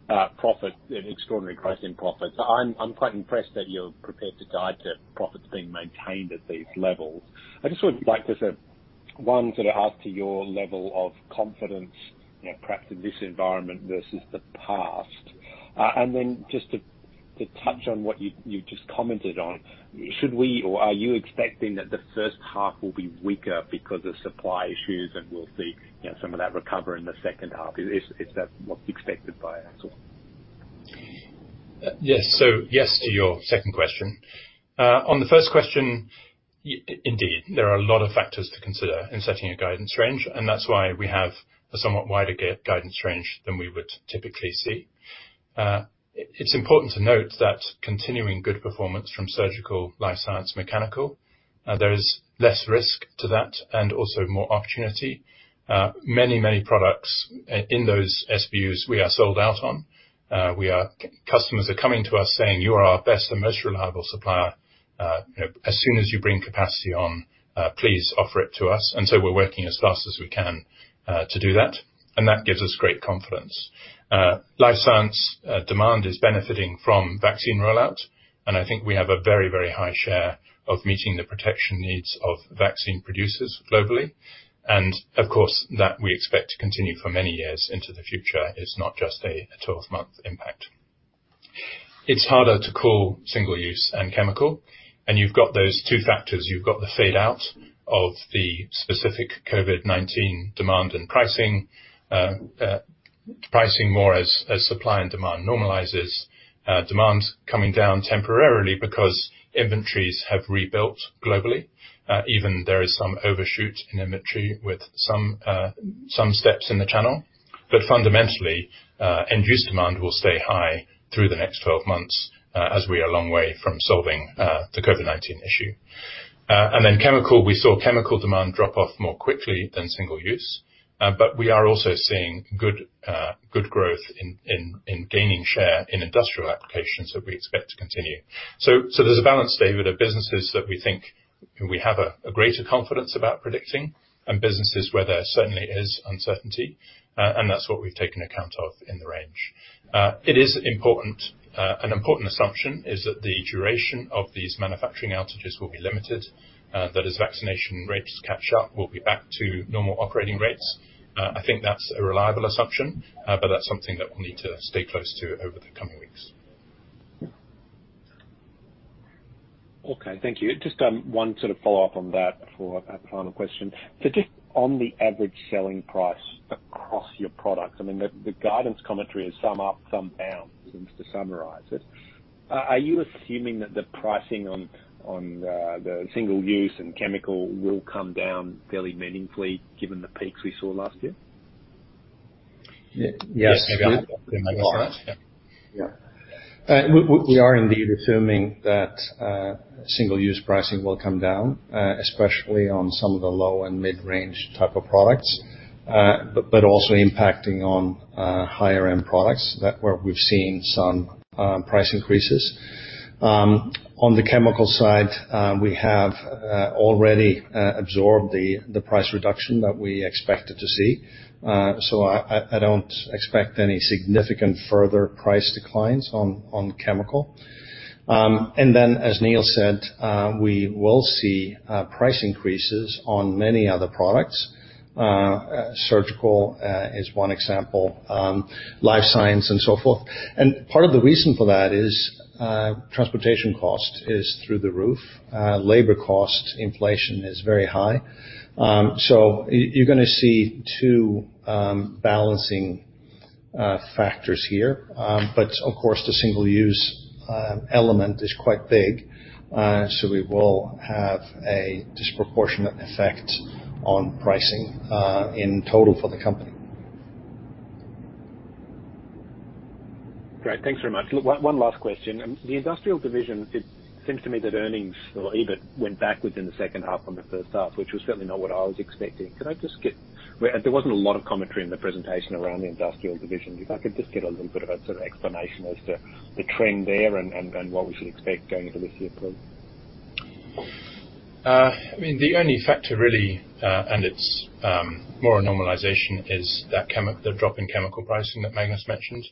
extraordinary growth in profits. I'm quite impressed that you're prepared to guide to profits being maintained at these levels. I just would like to sort of, one, sort of ask for your level of confidence perhaps in this environment versus the past. Then just to touch on what you just commented on, are you expecting that the first half will be weaker because of supply issues and we'll see some of that recover in the second half? Is that what's expected by Ansell? Yes. Yes to your second question. On the first question, indeed, there are a lot of factors to consider in setting a guidance range, and that's why we have a somewhat wider guidance range than we would typically see. It's important to note that continuing good performance from surgical life science mechanical, there is less risk to that and also more opportunity. Many products in those SBUs we are sold out on. Customers are coming to us saying, you are our best and most reliable supplier. As soon as you bring capacity on, please offer it to us. We're working as fast as we can to do that, and that gives us great confidence. Life science demand is benefiting from vaccine rollout, and I think we have a very high share of meeting the protection needs of vaccine producers globally. Of course, that we expect to continue for many years into the future. It's not just a 12-month impact. It's harder to call single-use and chemical. You've got those two factors. You've got the fade out of the specific COVID-19 demand and pricing more as supply and demand normalizes. Demand coming down temporarily because inventories have rebuilt globally. Even there is some overshoot in inventory with some steps in the channel. Fundamentally, end-use demand will stay high through the next 12 months as we are a long way from solving the COVID-19 issue. Then chemical, we saw chemical demand drop off more quickly than single use. We are also seeing good growth in gaining share in industrial applications that we expect to continue. There's a balance, David, of businesses that we think we have a greater confidence about predicting and businesses where there certainly is uncertainty, and that's what we've taken account of in the range. An important assumption is that the duration of these manufacturing outages will be limited. As vaccination rates catch up, we'll be back to normal operating rates. I think that's a reliable assumption, but that's something that we'll need to stay close to over the coming weeks. Okay, thank you. Just one sort of follow-up on that for a final question. Just on the average selling price across your products, I mean, the guidance commentary is some up, some down, seems to summarize it. Are you assuming that the pricing on the single use and chemical will come down fairly meaningfully given the peaks we saw last year? Yes. We are indeed assuming that single-use pricing will come down, especially on some of the low and mid-range type of products, but also impacting on higher-end products where we've seen some price increases. On the chemical side, we have already absorbed the price reduction that we expected to see. I don't expect any significant further price declines on chemical. As Neil said, we will see price increases on many other products. Surgical is one example, Life Science and so forth. Part of the reason for that is transportation cost is through the roof. Labor cost inflation is very high. You're going to see two balancing factors here. Of course, the single-use element is quite big, so we will have a disproportionate effect on pricing in total for the company. Great. Thanks very much. One last question. The Industrial division, it seems to me that earnings or EBIT went backwards in the second half from the first half, which was certainly not what I was expecting. There wasn't a lot of commentary in the presentation around the Industrial division. If I could just get a little bit of a sort of explanation as to the trend there and what we should expect going into this year. The only factor really, and it's more a normalization, is the drop in chemical pricing that Magnus mentioned.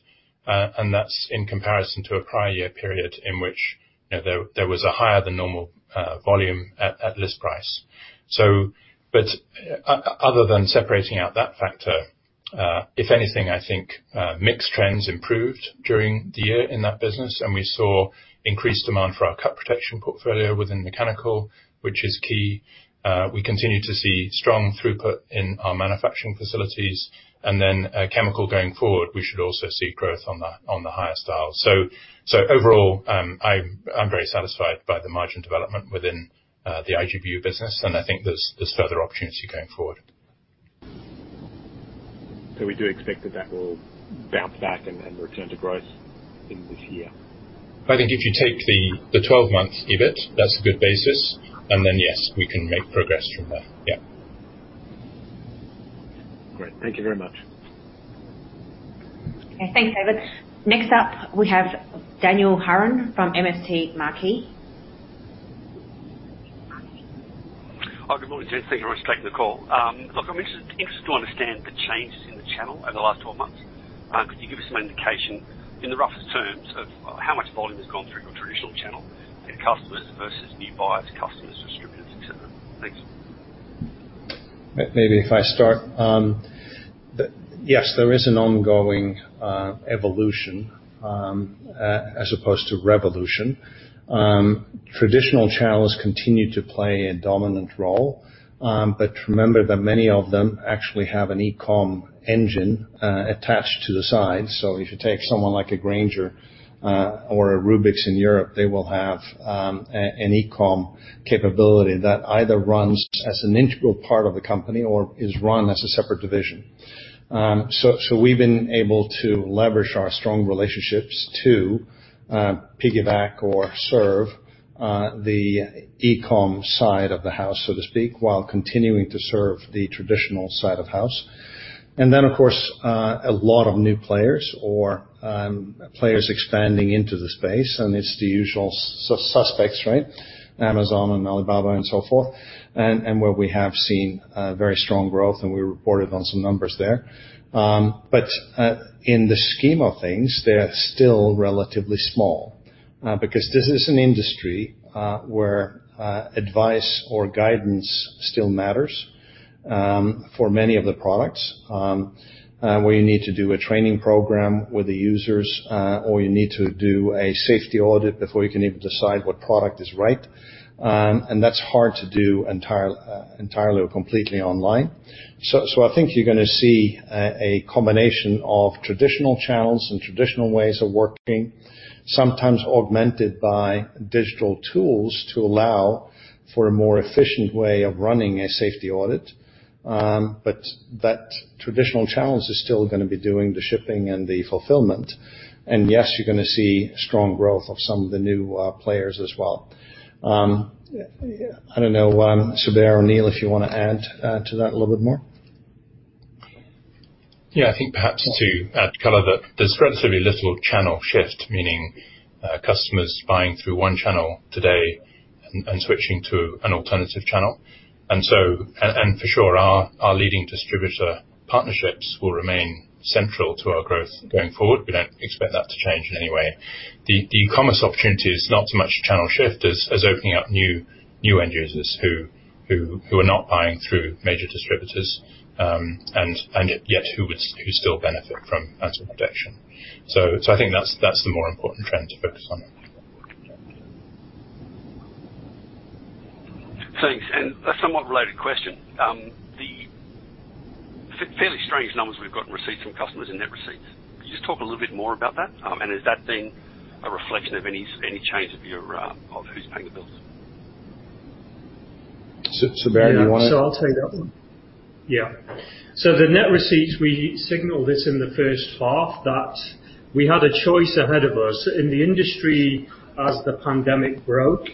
That's in comparison to a prior year period in which there was a higher than normal volume at list price. Other than separating out that factor, if anything, I think mix trends improved during the year in that business, and we saw increased demand for our cut protection portfolio within mechanical, which is key. We continue to see strong throughput in our manufacturing facilities. Chemical going forward, we should also see growth on the higher styles. Overall, I'm very satisfied by the margin development within the IGBU business, and I think there's further opportunity going forward. We do expect that that will bounce back and return to growth in this year. I think if you take the 12 months EBIT, that's a good basis, and then, yes, we can make progress from there. Yeah. Great. Thank you very much. Okay, thanks, David. Next up, we have Dan Hurren from MST Marquee. Good morning, gents. Thank you very much for taking the call. Look, I'm interested to understand the changes in the channel over the last 12 months. Could you give us some indication, in the roughest terms, of how much volume has gone through your traditional channel in customers versus new buyers, customers, distributors, et cetera? Thanks. Maybe if I start. There is an ongoing evolution as opposed to revolution. Traditional channels continue to play a dominant role. Remember that many of them actually have an e-com engine attached to the side. If you take someone like a Grainger or a Rubix in Europe, they will have an e-com capability that either runs as an integral part of the company or is run as a separate division. We've been able to leverage our strong relationships to piggyback or serve the e-com side of the house, so to speak, while continuing to serve the traditional side of house. Then, of course, a lot of new players or players expanding into the space, and it's the usual suspects, right? Amazon and Alibaba and so forth. Where we have seen very strong growth, and we reported on some numbers there. In the scheme of things, they are still relatively small, because this is an industry where advice or guidance still matters for many of the products, where you need to do a training program with the users, or you need to do a safety audit before you can even decide what product is right. That's hard to do entirely or completely online. I think you're going to see a combination of traditional channels and traditional ways of working, sometimes augmented by digital tools to allow for a more efficient way of running a safety audit. Traditional channels are still going to be doing the shipping and the fulfillment. Yes, you're going to see strong growth of some of the new players as well. I don't know, Zubair or Neil, if you want to add to that a little bit more. Yeah, I think perhaps to add color that there's relatively little channel shift, meaning customers buying through one channel today and switching to an alternative channel. For sure, our leading distributor partnerships will remain central to our growth going forward. We don't expect that to change in any way. The e-commerce opportunity is not so much channel shift as opening up new end users who are not buying through major distributors, and yet who still benefit from accident protection. I think that's the more important trend to focus on. Thanks. A somewhat related question. The fairly strange numbers we've got in receipts from customers and net receipts. Could you just talk a little bit more about that? Has that been a reflection of any change of who's paying the bills? Zubair. I'll take that one. Yeah. The net receipts, we signaled this in the first half that we had a choice ahead of us. In the industry as the pandemic broke,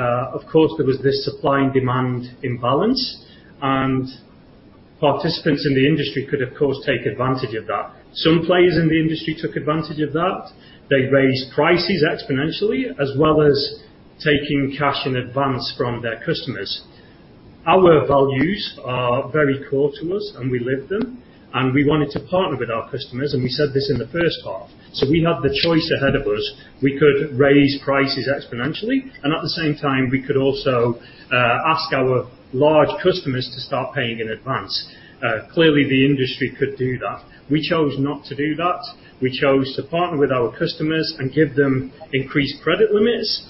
of course, there was this supply and demand imbalance, and participants in the industry could, of course, take advantage of that. Some players in the industry took advantage of that. They raised prices exponentially, as well as taking cash in advance from their customers. Our values are very core to us, and we live them, and we wanted to partner with our customers, and we said this in the first half. We had the choice ahead of us. We could raise prices exponentially, and at the same time, we could also ask our large customers to start paying in advance. Clearly, the industry could do that. We chose not to do that. We chose to partner with our customers and give them increased credit limits.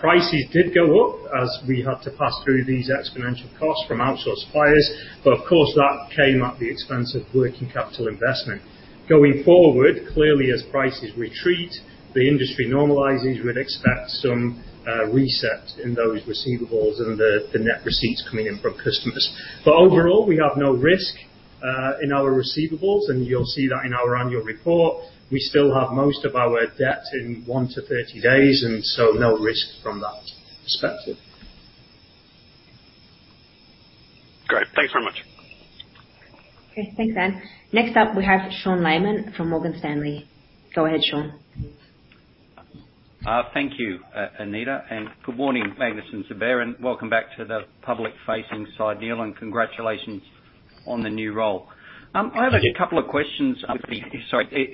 Prices did go up as we had to pass through these exponential costs from outsourced suppliers. Of course, that came at the expense of working capital investment. Going forward, clearly as prices retreat, the industry normalizes, we'd expect some reset in those receivables and the net receipts coming in from customers. Overall, we have no risk in our receivables, and you'll see that in our annual report. We still have most of our debt in one to 30 days, and so no risk from that perspective. Great. Thanks very much. Okay, thanks, Dan. Next up we have Sean Laaman from Morgan Stanley. Go ahead, Sean. Thank you, Anita, and good morning, Magnus and Zubair, and welcome back to the public-facing side, Neil, and congratulations on the new role. Thank you. I have a couple of questions with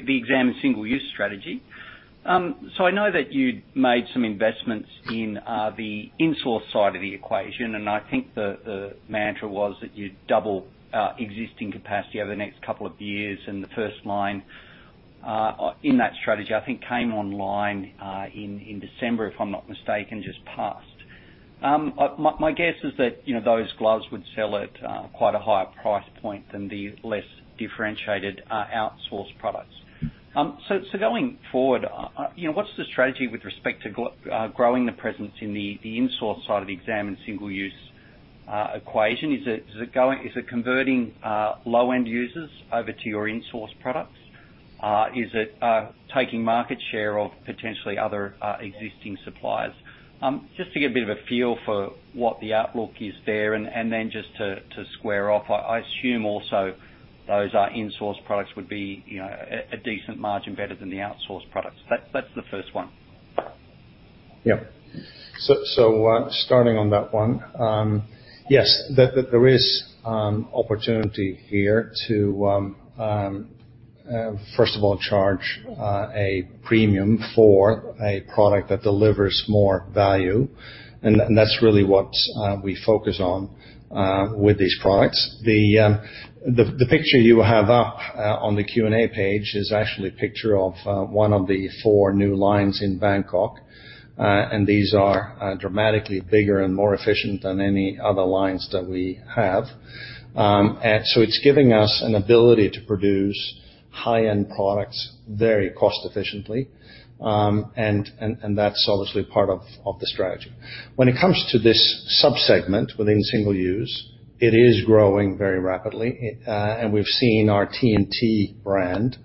the exam and single-use strategy. I know that you'd made some investments in the insource side of the equation, and I think the mantra was that you'd double existing capacity over the next couple of years, and the first line in that strategy, I think, came online in December, if I'm not mistaken, just passed. My guess is that those gloves would sell at quite a higher price point than the less differentiated outsourced products. Going forward, what's the strategy with respect to growing the presence in the insource side of the exam and single-use equation? Is it converting low-end users over to your insource products? Is it taking market share of potentially other existing suppliers? To get a bit of a feel for what the outlook is there, to square off, I assume also those insource products would be a decent margin better than the outsourced products. That's the first one. Starting on that one. Yes, there is opportunity here to first of all, charge a premium for a product that delivers more value, and that's really what we focus on with these products. The picture you have up on the Q&A page is actually a picture of one of the four new lines in Bangkok, and these are dramatically bigger and more efficient than any other lines that we have. It's giving us an ability to produce high-end products very cost efficiently, and that's obviously part of the strategy. When it comes to this sub-segment within single-use, it is growing very rapidly, and we've seen our TouchNTuff brand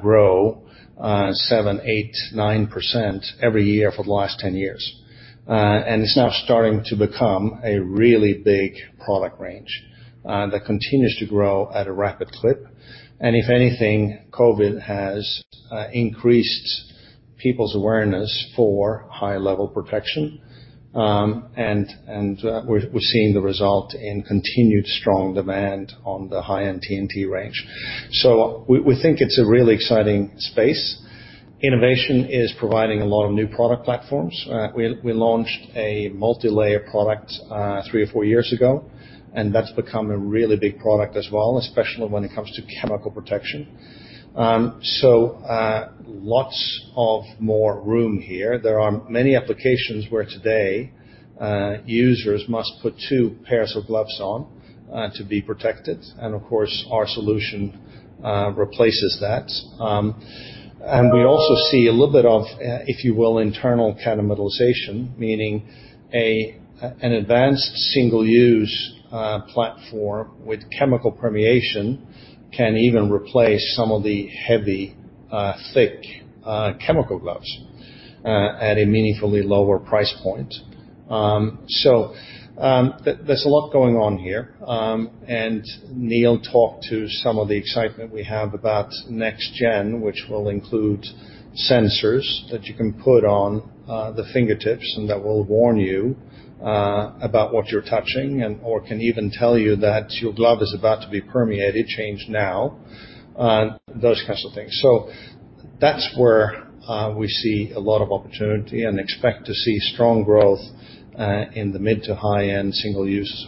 grow 7%, 8%, 9% every year for the last 10 years. It's now starting to become a really big product range that continues to grow at a rapid clip. If anything, COVID has increased people's awareness for high-level protection. We're seeing the result in continued strong demand on the high-end TouchNTuff range. We think it's a really exciting space. Innovation is providing a lot of new product platforms. We launched a multi-layer product three or four years ago, and that's become a really big product as well, especially when it comes to chemical protection. Lots of more room here. There are many applications where today users must put two pairs of gloves on to be protected, and of course, our solution replaces that. We also see a little bit of, if you will, internal cannibalization, meaning an advanced single-use platform with chemical permeation can even replace some of the heavy, thick chemical gloves at a meaningfully lower price point. There's a lot going on here. Neil talked to some of the excitement we have about next gen, which will include sensors that you can put on the fingertips, and that will warn you about what you're touching or can even tell you that your glove is about to be permeated, change now. Those kinds of things. That's where we see a lot of opportunity and expect to see strong growth in the mid to high-end single-use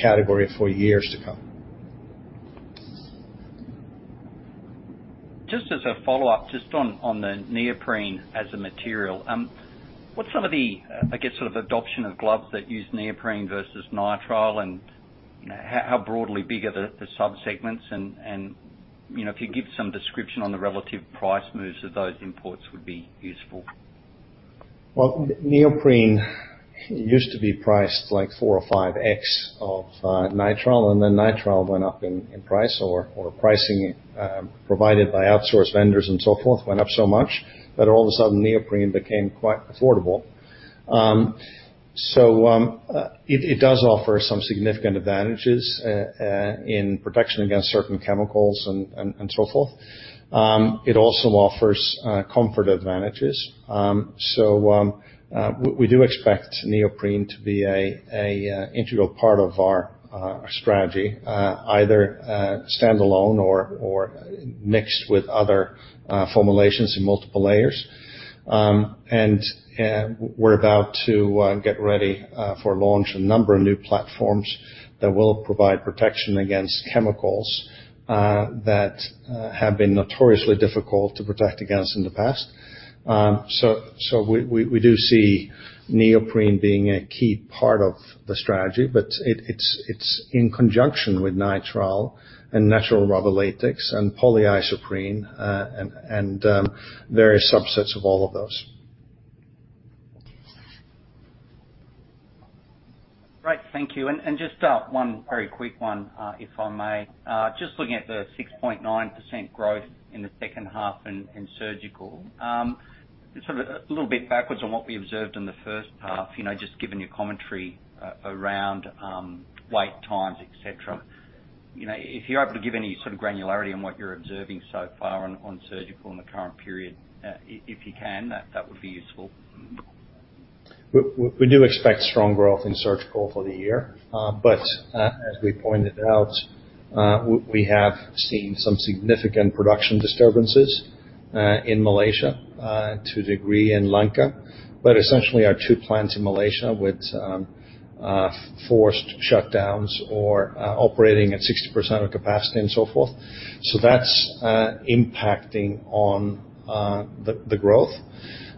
category for years to come. Just as a follow-up, just on the neoprene as a material. What's some of the, I guess, sort of adoption of gloves that use neoprene versus nitrile and how broadly big are the sub-segments? If you give some description on the relative price moves of those imports would be useful. Well, neoprene used to be priced like 4x or 5x of nitrile, then nitrile went up in price or pricing provided by outsourced vendors and so forth, went up so much that all of a sudden neoprene became quite affordable. It does offer some significant advantages in protection against certain chemicals and so forth. It also offers comfort advantages. We do expect neoprene to be an integral part of our strategy either standalone or mixed with other formulations in multiple layers. We're about to get ready for launch a number of new platforms that will provide protection against chemicals that have been notoriously difficult to protect against in the past. We do see neoprene being a key part of the strategy, but it's in conjunction with nitrile and natural rubber latex and polyisoprene, and various subsets of all of those. Great. Thank you. Just one very quick one, if I may. Just looking at the 6.9% growth in the second half in surgical. Sort of a little bit backwards on what we observed in the first half, just given your commentary around wait times, et cetera. If you're able to give any sort of granularity on what you're observing so far on surgical in the current period, if you can, that would be useful. We do expect strong growth in surgical for the year. As we pointed out, we have seen some significant production disturbances in Malaysia, to a degree in Sri Lanka. Essentially our two plants in Malaysia with forced shutdowns or operating at 60% of capacity and so forth. That's impacting on the growth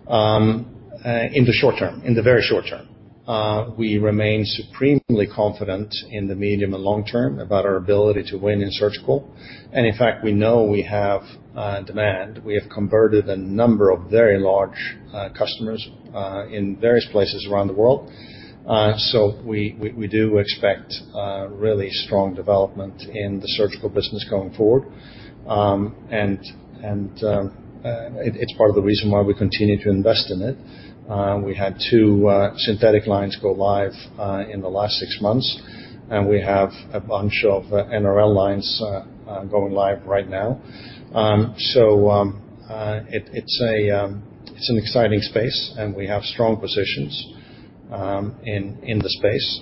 in the short term, in the very short term. We remain supremely confident in the medium and long term about our ability to win in surgical. In fact, we know we have demand. We have converted a number of very large customers in various places around the world. We do expect really strong development in the surgical business going forward. It's part of the reason why we continue to invest in it. We had two synthetic lines go live in the last six months, and we have a bunch of NRL lines going live right now. It's an exciting space, and we have strong positions in the space.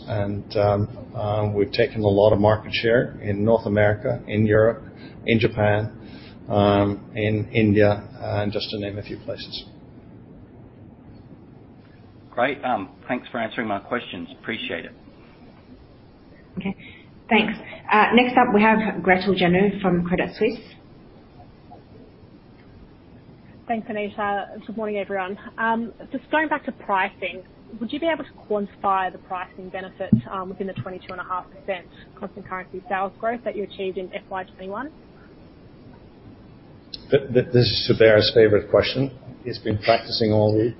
We've taken a lot of market share in North America, in Europe, in Japan, in India, just to name a few places. Great. Thanks for answering my questions. Appreciate it. Okay, thanks. Next up we have Gretel Janu from Credit Suisse. Thanks, Anita. Good morning, everyone. Just going back to pricing, would you be able to quantify the pricing benefit within the 22.5% constant currency sales growth that you achieved in FY 2021? This is Zubair's favorite question. He's been practicing all week.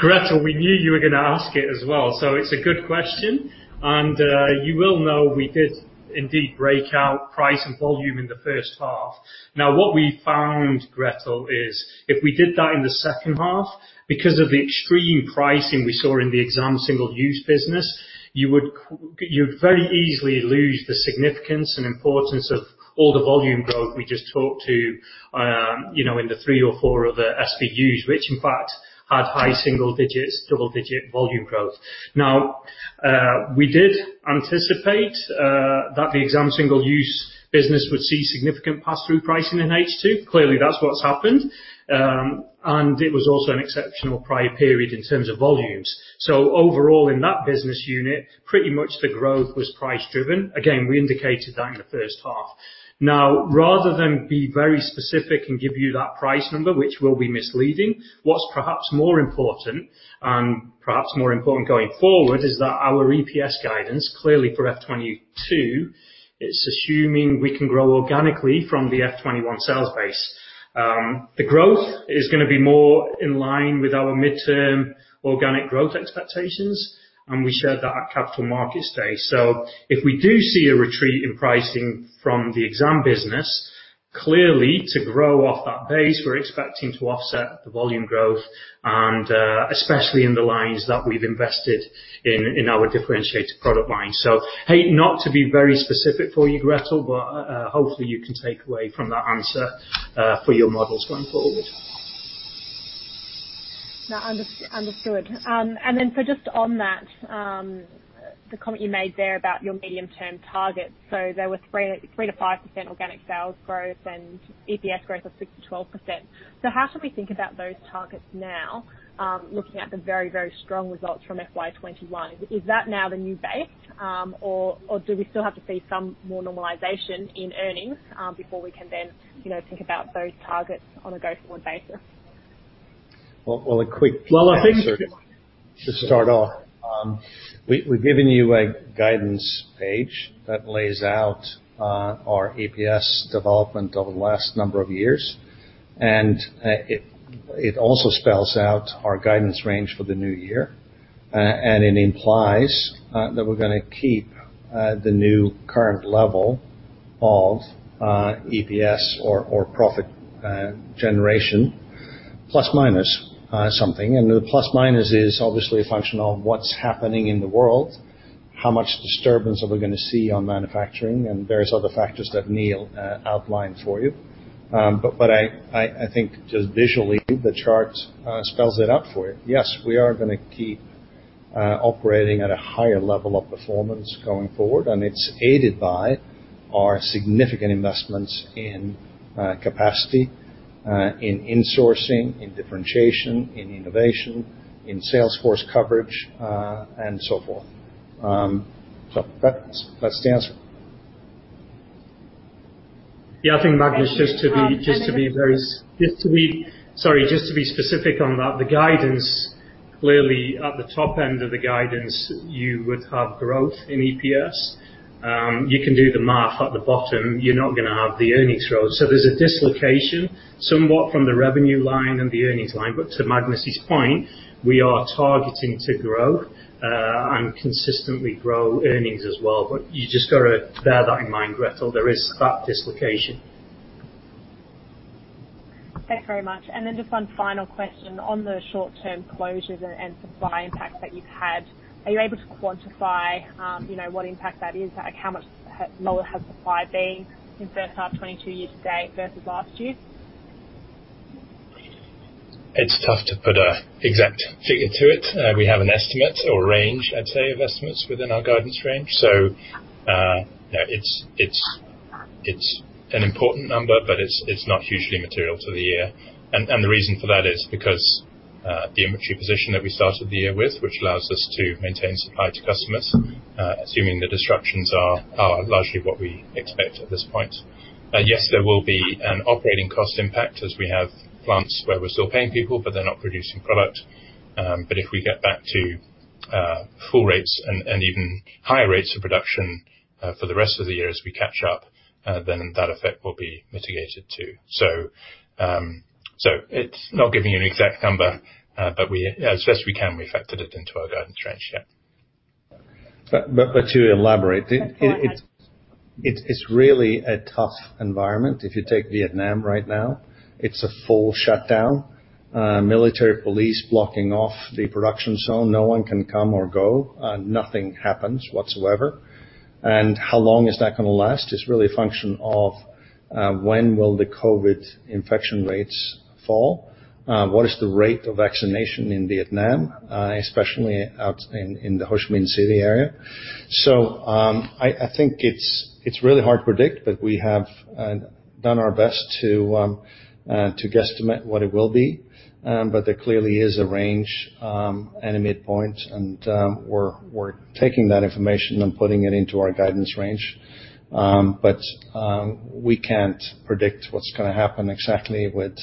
Gretel, we knew you were going to ask it as well. It's a good question. You will know we did indeed break out price and volume in the first half. What we found, Gretel, is if we did that in the second half, because of the extreme pricing we saw in the exam single-use business, you'd very easily lose the significance and importance of all the volume growth we just talked to, in the three or four other SBUs, which in fact, had high single digits, double-digit volume growth. We did anticipate that the exam single-use business would see significant passthrough pricing in H2. Clearly, that's what's happened. It was also an exceptional prior period in terms of volumes. Overall, in that business unit, pretty much the growth was price driven. Again, we indicated that in the first half. Rather than be very specific and give you that price number, which will be misleading, what's perhaps more important and perhaps more important going forward, is that our EPS guidance clearly for F2022, is assuming we can grow organically from the F2021 sales base. The growth is going to be more in line with our midterm organic growth expectations, and we shared that at Capital Markets Day. If we do see a retreat in pricing from the exam business, clearly to grow off that base, we're expecting to offset the volume growth and especially in the lines that we've invested in our differentiated product line. Hate not to be very specific for you, Gretel, but hopefully you can take away from that answer for your models going forward. No, understood. Just on that, the comment you made there about your medium-term targets. There were 3%-5% organic sales growth and EPS growth of 6%-12%. How should we think about those targets now, looking at the very, very strong results from FY 2021? Is that now the new base, or do we still have to see some more normalization in earnings before we can then think about those targets on a going-forward basis? Well. Well, I think- To start off. We've given you a guidance page that lays out our EPS development over the last number of years, and it also spells out our guidance range for the new year. It implies that we're going to keep the new current level of EPS or profit generation ± something. The ± is obviously a function of what's happening in the world, how much disturbance are we going to see on manufacturing, and various other factors that Neil outlined for you. I think just visually, the chart spells it out for you. Yes, we are going to keep operating at a higher level of performance going forward. It's aided by our significant investments in capacity, in insourcing, in differentiation, in innovation, in sales force coverage, and so forth. That's the answer. Yeah, I think, Magnus. Okay. Sorry, just to be specific on that, the guidance clearly at the top end of the guidance, you would have growth in EPS. You can do the math at the bottom. You're not going to have the earnings growth. There's a dislocation somewhat from the revenue line and the earnings line. To Magnus' point, we are targeting to grow, and consistently grow earnings as well. You just got to bear that in mind, Gretel. There is that dislocation. Thanks very much. Then just one final question on the short-term closures and supply impacts that you've had. Are you able to quantify what impact that is? How much lower has supply been in first half FY 2022 year-to-date versus last year? It's tough to put an exact figure to it. We have an estimate or range, I'd say, of estimates within our guidance range. It's an important number, but it's not hugely material to the year. The reason for that is because the inventory position that we started the year with, which allows us to maintain supply to customers, assuming the disruptions are largely what we expect at this point. Yes, there will be an operating cost impact as we have plants where we're still paying people, but they're not producing product. If we get back to full rates and even higher rates of production for the rest of the year as we catch up, then that effect will be mitigated too. It's not giving you an exact number, but as best we can, we factored it into our guidance range. Yeah. To elaborate. It's really a tough environment. If you take Vietnam right now, it's a full shutdown. Military police blocking off the production zone. No one can come or go. Nothing happens whatsoever. How long is that going to last is really a function of when will the COVID infection rates fall? What is the rate of vaccination in Vietnam, especially out in the Ho Chi Minh City area? I think it's really hard to predict, but we have done our best to guesstimate what it will be. There clearly is a range and a midpoint, and we're taking that information and putting it into our guidance range. We can't predict what's going to happen exactly with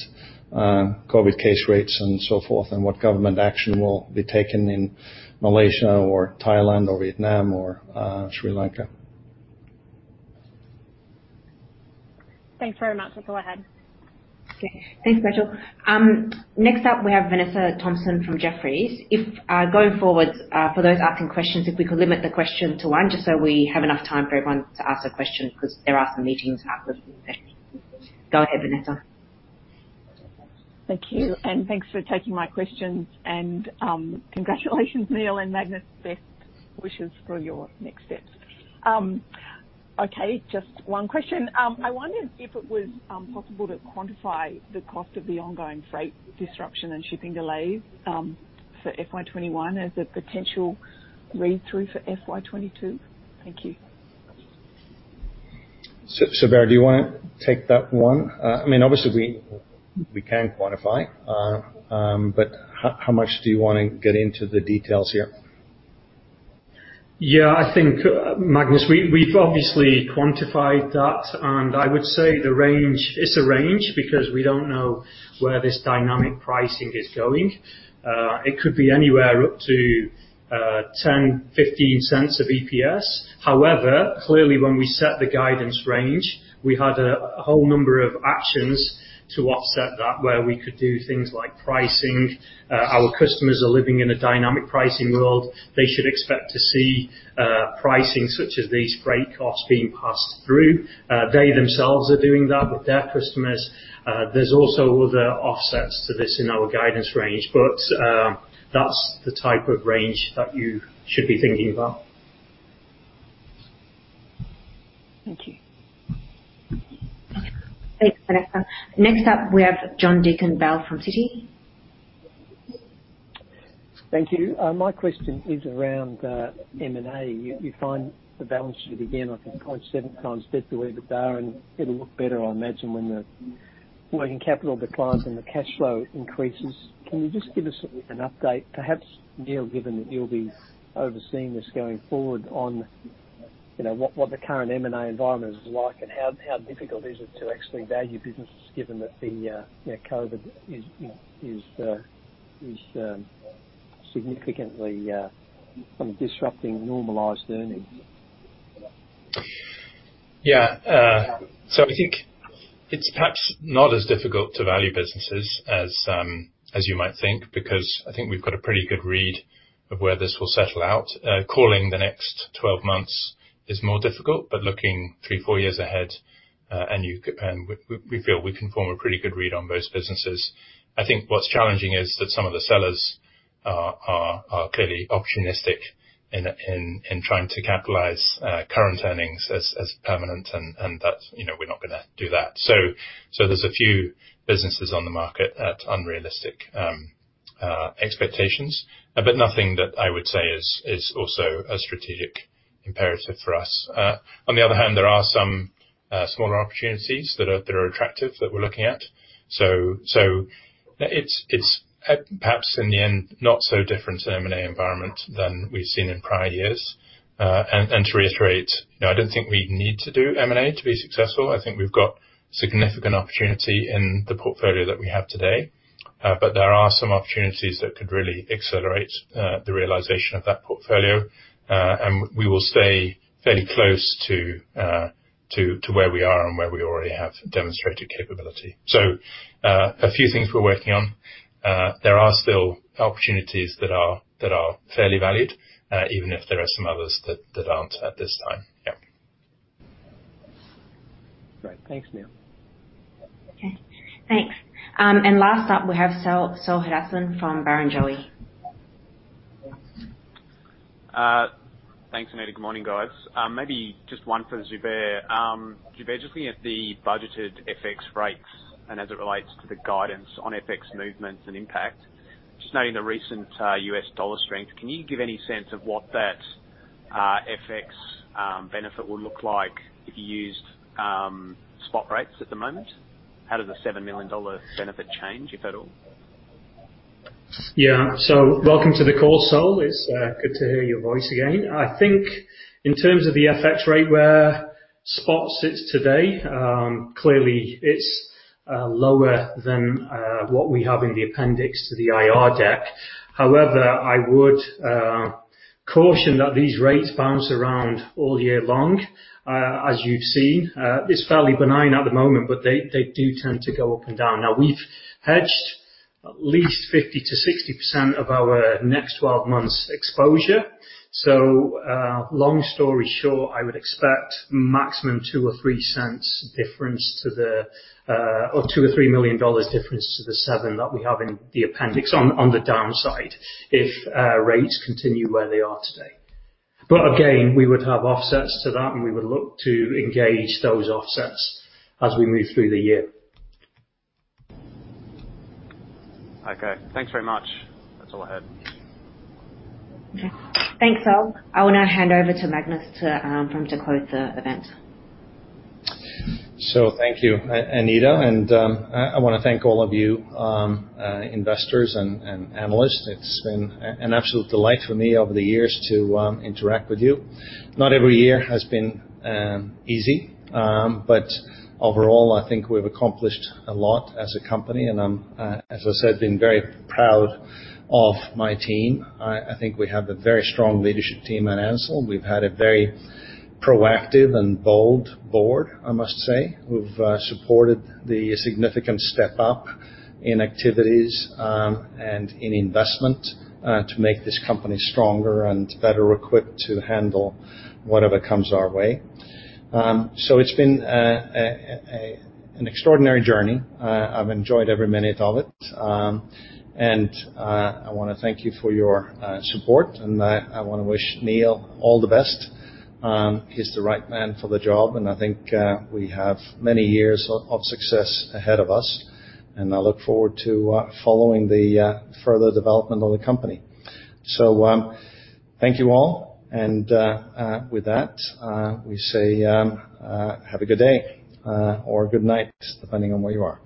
COVID case rates and so forth, and what government action will be taken in Malaysia or Thailand or Vietnam or Sri Lanka. Thanks very much. Go ahead. Okay. Thanks, Rachel. Next up, we have Vanessa Thomson from Jefferies. Going forward, for those asking questions, if we could limit the question to one, just so we have enough time for everyone to ask a question, because there are some meetings afterwards. Go ahead, Vanessa. Thank you, thanks for taking my questions. Congratulations, Neil and Magnus. Best wishes for your next steps. Okay, just one question. I wondered if it was possible to quantify the cost of the ongoing freight disruption and shipping delays for FY 2021 as a potential read-through for FY 2022. Thank you. Zubair, do you want to take that one? Obviously, we can quantify, but how much do you want to get into the details here? Yeah, I think, Magnus, we've obviously quantified that, and I would say it's a range, because we don't know where this dynamic pricing is going. It could be anywhere up to $0.10, $0.15 of EPS. Clearly when we set the guidance range, we had a whole number of actions to offset that, where we could do things like pricing. Our customers are living in a dynamic pricing world. They should expect to see pricing such as these freight costs being passed through. They themselves are doing that with their customers. There's also other offsets to this in our guidance range. That's the type of range that you should be thinking about. Thank you. Thanks, Vanessa. Next up, we have John Deakin-Bell from Citi. Thank you. My question is around M&A. You find the balance sheet again, I think 0.7x EBITDA, and it'll look better, I imagine, when the working capital declines and the cash flow increases. Can you just give us an update, perhaps Neil, given that you'll be overseeing this going forward, on what the current M&A environment is like and how difficult is it to actually value businesses given that COVID is significantly disrupting normalized earnings? Yeah. I think it's perhaps not as difficult to value businesses as you might think, because I think we've got a pretty good read of where this will settle out. Calling the next 12 months is more difficult, but looking three, four years ahead, we feel we can form a pretty good read on most businesses. I think what's challenging is that some of the sellers are clearly opportunistic in trying to capitalize current earnings as permanent, and we're not going to do that. There's a few businesses on the market at unrealistic expectations, but nothing that I would say is also a strategic imperative for us. On the other hand, there are some smaller opportunities that are attractive that we're looking at. It's perhaps in the end, not so different an M&A environment than we've seen in prior years. To reiterate, I don't think we need to do M&A to be successful. I think we've got significant opportunity in the portfolio that we have today. There are some opportunities that could really accelerate the realization of that portfolio. We will stay fairly close to where we are and where we already have demonstrated capability. A few things we're working on. There are still opportunities that are fairly valued, even if there are some others that aren't at this time. Yeah. Great. Thanks, Neil. Okay, thanks. Last up, we have Saul Hadassin from Barrenjoey. Thanks, Anita. Good morning, guys. Maybe just one for Zubair. Zubair, just looking at the budgeted FX rates and as it relates to the guidance on FX movements and impact, just noting the recent U.S. dollar strength, can you give any sense of what that FX benefit will look like if you used spot rates at the moment? How does the $7 million benefit change, if at all? Yeah. Welcome to the call, Saul. It's good to hear your voice again. I think in terms of the FX rate where spot sits today, clearly it's lower than what we have in the appendix to the IR deck. However, I would caution that these rates bounce around all year long. As you've seen, it's fairly benign at the moment, but they do tend to go up and down. We've hedged at least 50%-60% of our next 12 months exposure. long story short, I would expect maximum $0.02 or $0.03 difference or $2 million or $3 million difference to the $7 million that we have in the appendix on the downside if rates continue where they are today. again, we would have offsets to that, and we would look to engage those offsets as we move through the year. Okay, thanks very much. That's all I had. Okay. Thanks, all. I will now hand over to Magnus for him to close the event. Thank you, Anita, and I want to thank all of you investors and analysts. It's been an absolute delight for me over the years to interact with you. Not every year has been easy, but overall, I think we've accomplished a lot as a company, and I'm, as I said, been very proud of my team. I think we have a very strong leadership team at Ansell. We've had a very proactive and bold board, I must say. Who've supported the significant step up in activities, and in investment to make this company stronger and better equipped to handle whatever comes our way. It's been an extraordinary journey. I've enjoyed every minute of it. I want to thank you for your support and I want to wish Neil all the best. He's the right man for the job. I think we have many years of success ahead of us, and I look forward to following the further development of the company. Thank you all and with that we say have a good day or good night, depending on where you are.